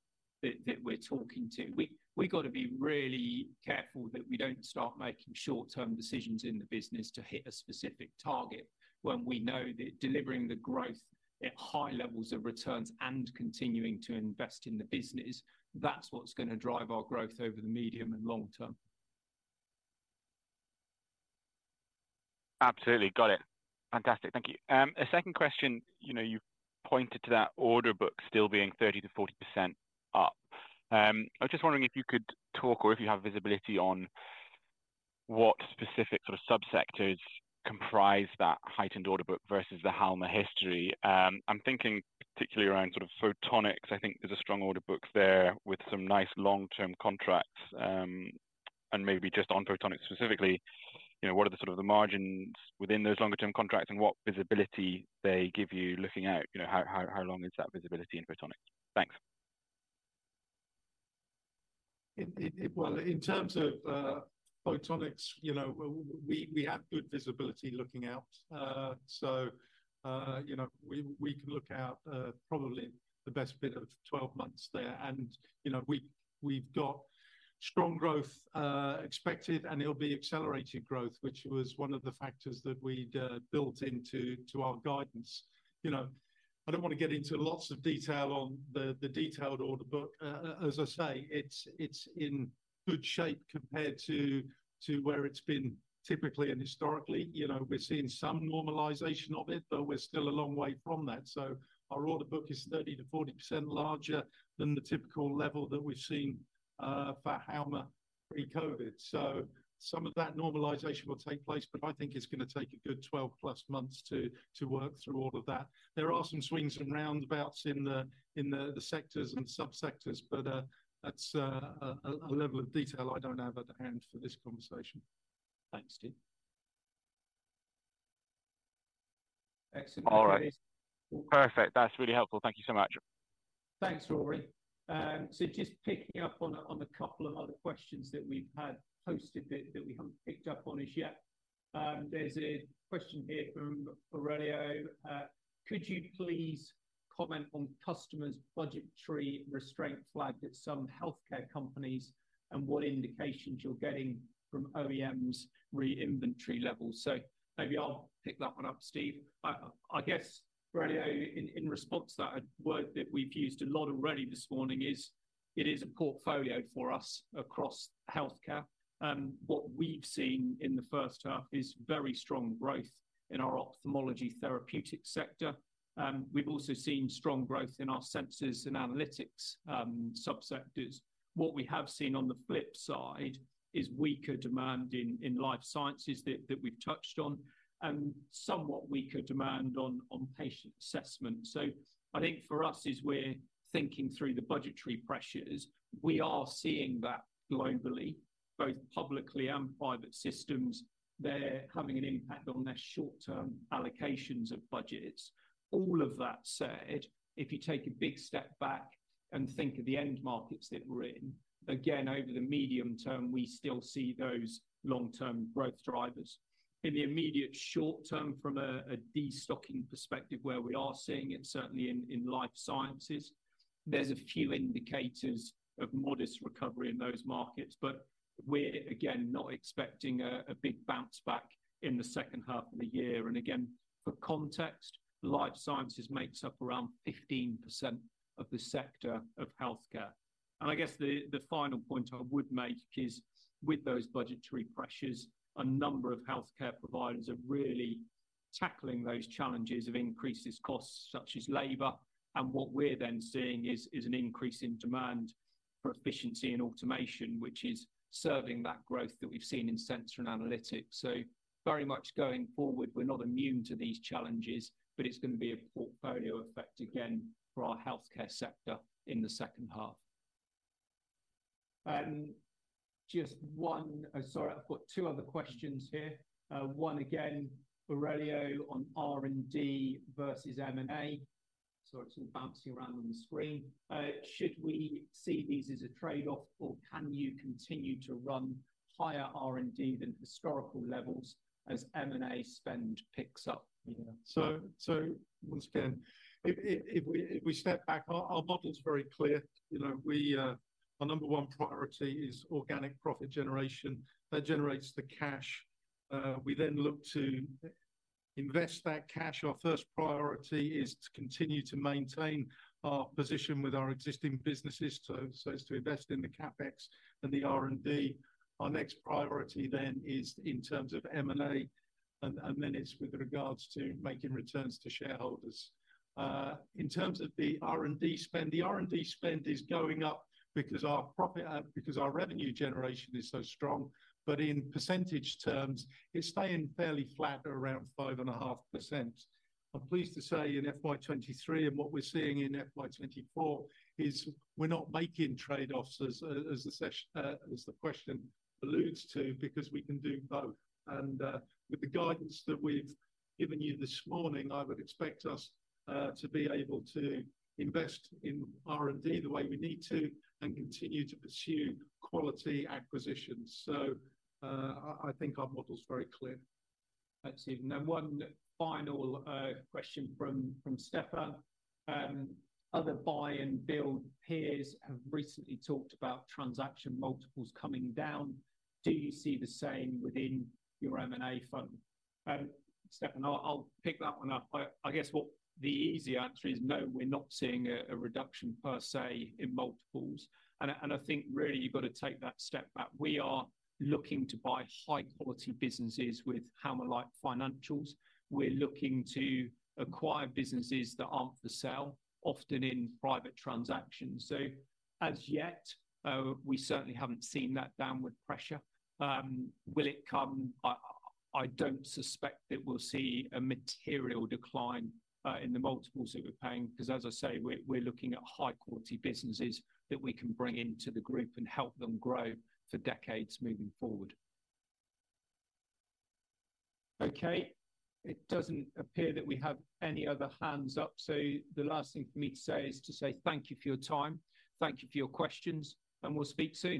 that we're talking to. We've got to be really careful that we don't start making short-term decisions in the business to hit a specific target, when we know that delivering the growth at high levels of returns and continuing to invest in the business, that's what's gonna drive our growth over the medium and long term. Absolutely. Got it. Fantastic, thank you. A second question, you know, you pointed to that order book still being 30%-40% up. I was just wondering if you could talk, or if you have visibility on what specific sort of sub-sectors comprise that heightened order book versus the Halma history? I'm thinking particularly around sort of Photonics. I think there's a strong order book there with some nice long-term contracts. And maybe just on Photonics specifically, you know, what are the sort of margins within those longer term contracts, and what visibility they give you looking out? You know, how long is that visibility in Photonics? Thanks. Well, in terms of Photonics, you know, we have good visibility looking out. So, you know, we can look out probably the best bit of 12 months there. And, you know, we've got strong growth expected, and it'll be accelerated growth, which was one of the factors that we'd built into our guidance. You know, I don't want to get into lots of detail on the detailed order book. As I say, it's in good shape compared to where it's been typically and historically. You know, we're seeing some normalization of it, but we're still a long way from that. So our order book is 30%-40% larger than the typical level that we've seen for Halma pre-COVID. So some of that normalization will take place, but I think it's gonna take a good 12+ months to work through all of that. There are some swings and roundabouts in the sectors and sub-sectors, but that's a level of detail I don't have at hand for this conversation. Thanks, Steve. Excellent. All right. Perfect. That's really helpful. Thank you so much. Thanks, Rory. So just picking up on a couple of other questions that we've had posted that we haven't picked up on as yet. There's a question here from Aurelio: Could you please comment on customers' budgetary restraints flagged at some Healthcare companies, and what indications you're getting from OEMs re inventory levels? So maybe I'll pick that one up, Steve. I guess, Aurelio, in response to that, a word that we've used a lot already this morning is, it is a portfolio for us across Healthcare. What we've seen in the first half is very strong growth in our Ophthalmology therapeutic sector. We've also seen strong growth in our sensors and analytics sub-sectors. What we have seen on the flip side is weaker demand Life Sciences that we've touched on, and somewhat weaker demand on Patient Assessment. So I think for us, as we're thinking through the budgetary pressures, we are seeing that globally, both publicly and private systems, they're having an impact on their short-term allocations of budgets. All of that said, if you take a big step back and think of the end markets that we're in, again, over the medium term, we still see those long-term growth drivers. In the immediate short term, from a destocking perspective, where we are seeing it, certainly Life Sciences, there's a few indicators of modest recovery in those markets. But we're again not expecting a big bounce back in the second half of the year. And again, for Life Sciences makes up around 15% of the sector of Healthcare. And I guess the final point I would make is, with those budgetary pressures, a number of Healthcare providers are really tackling those challenges of increases costs, such as labor, and what we're then seeing is an increase in demand for efficiency and automation, which is serving that growth that we've seen in sensor and analytics. So very much going forward, we're not immune to these challenges, but it's going to be a portfolio effect again for our Healthcare sector in the second half. Just one—sorry, I've got two other questions here. One again, Aurelio, on R&D versus M&A. Sorry, it's all bouncing around on the screen. Should we see these as a trade-off, or can you continue to run higher R&D than historical levels as M&A spend picks up, you know? So, once again, if we step back, our model's very clear. You know, our number one priority is organic profit generation. That generates the cash. We then look to- ... invest that cash, our first priority is to continue to maintain our position with our existing businesses, so as to invest in the CapEx and the R&D. Our next priority then is in terms of M&A, and then it's with regards to making returns to shareholders. In terms of the R&D spend, the R&D spend is going up because our revenue generation is so strong, but in percentage terms it's staying fairly flat at around 5.5%. I'm pleased to say in FY 2023, and what we're seeing in FY 2024, is we're not making trade-offs as the question alludes to, because we can do both. With the guidance that we've given you this morning, I would expect us to be able to invest in R&D the way we need to, and continue to pursue quality acquisitions. I think our model's very clear. Thanks, Steve. Now one final question from Stefan. Other buy and build peers have recently talked about transaction multiples coming down. Do you see the same within your M&A fund? Stefan, I'll pick that one up. I guess what the easy answer is, no, we're not seeing a reduction per se in multiples. And I think really you've got to take that step back. We are looking to buy high quality businesses with Halma-like financials. We're looking to acquire businesses that aren't for sale, often in private transactions. So as yet, we certainly haven't seen that downward pressure. Will it come? I don't suspect that we'll see a material decline in the multiples that we're paying, 'cause as I say, we're looking at high quality businesses that we can bring into the group and help them grow for decades moving forward. Okay, it doesn't appear that we have any other hands up, so the last thing for me to say is to say thank you for your time, thank you for your questions, and we'll speak soon.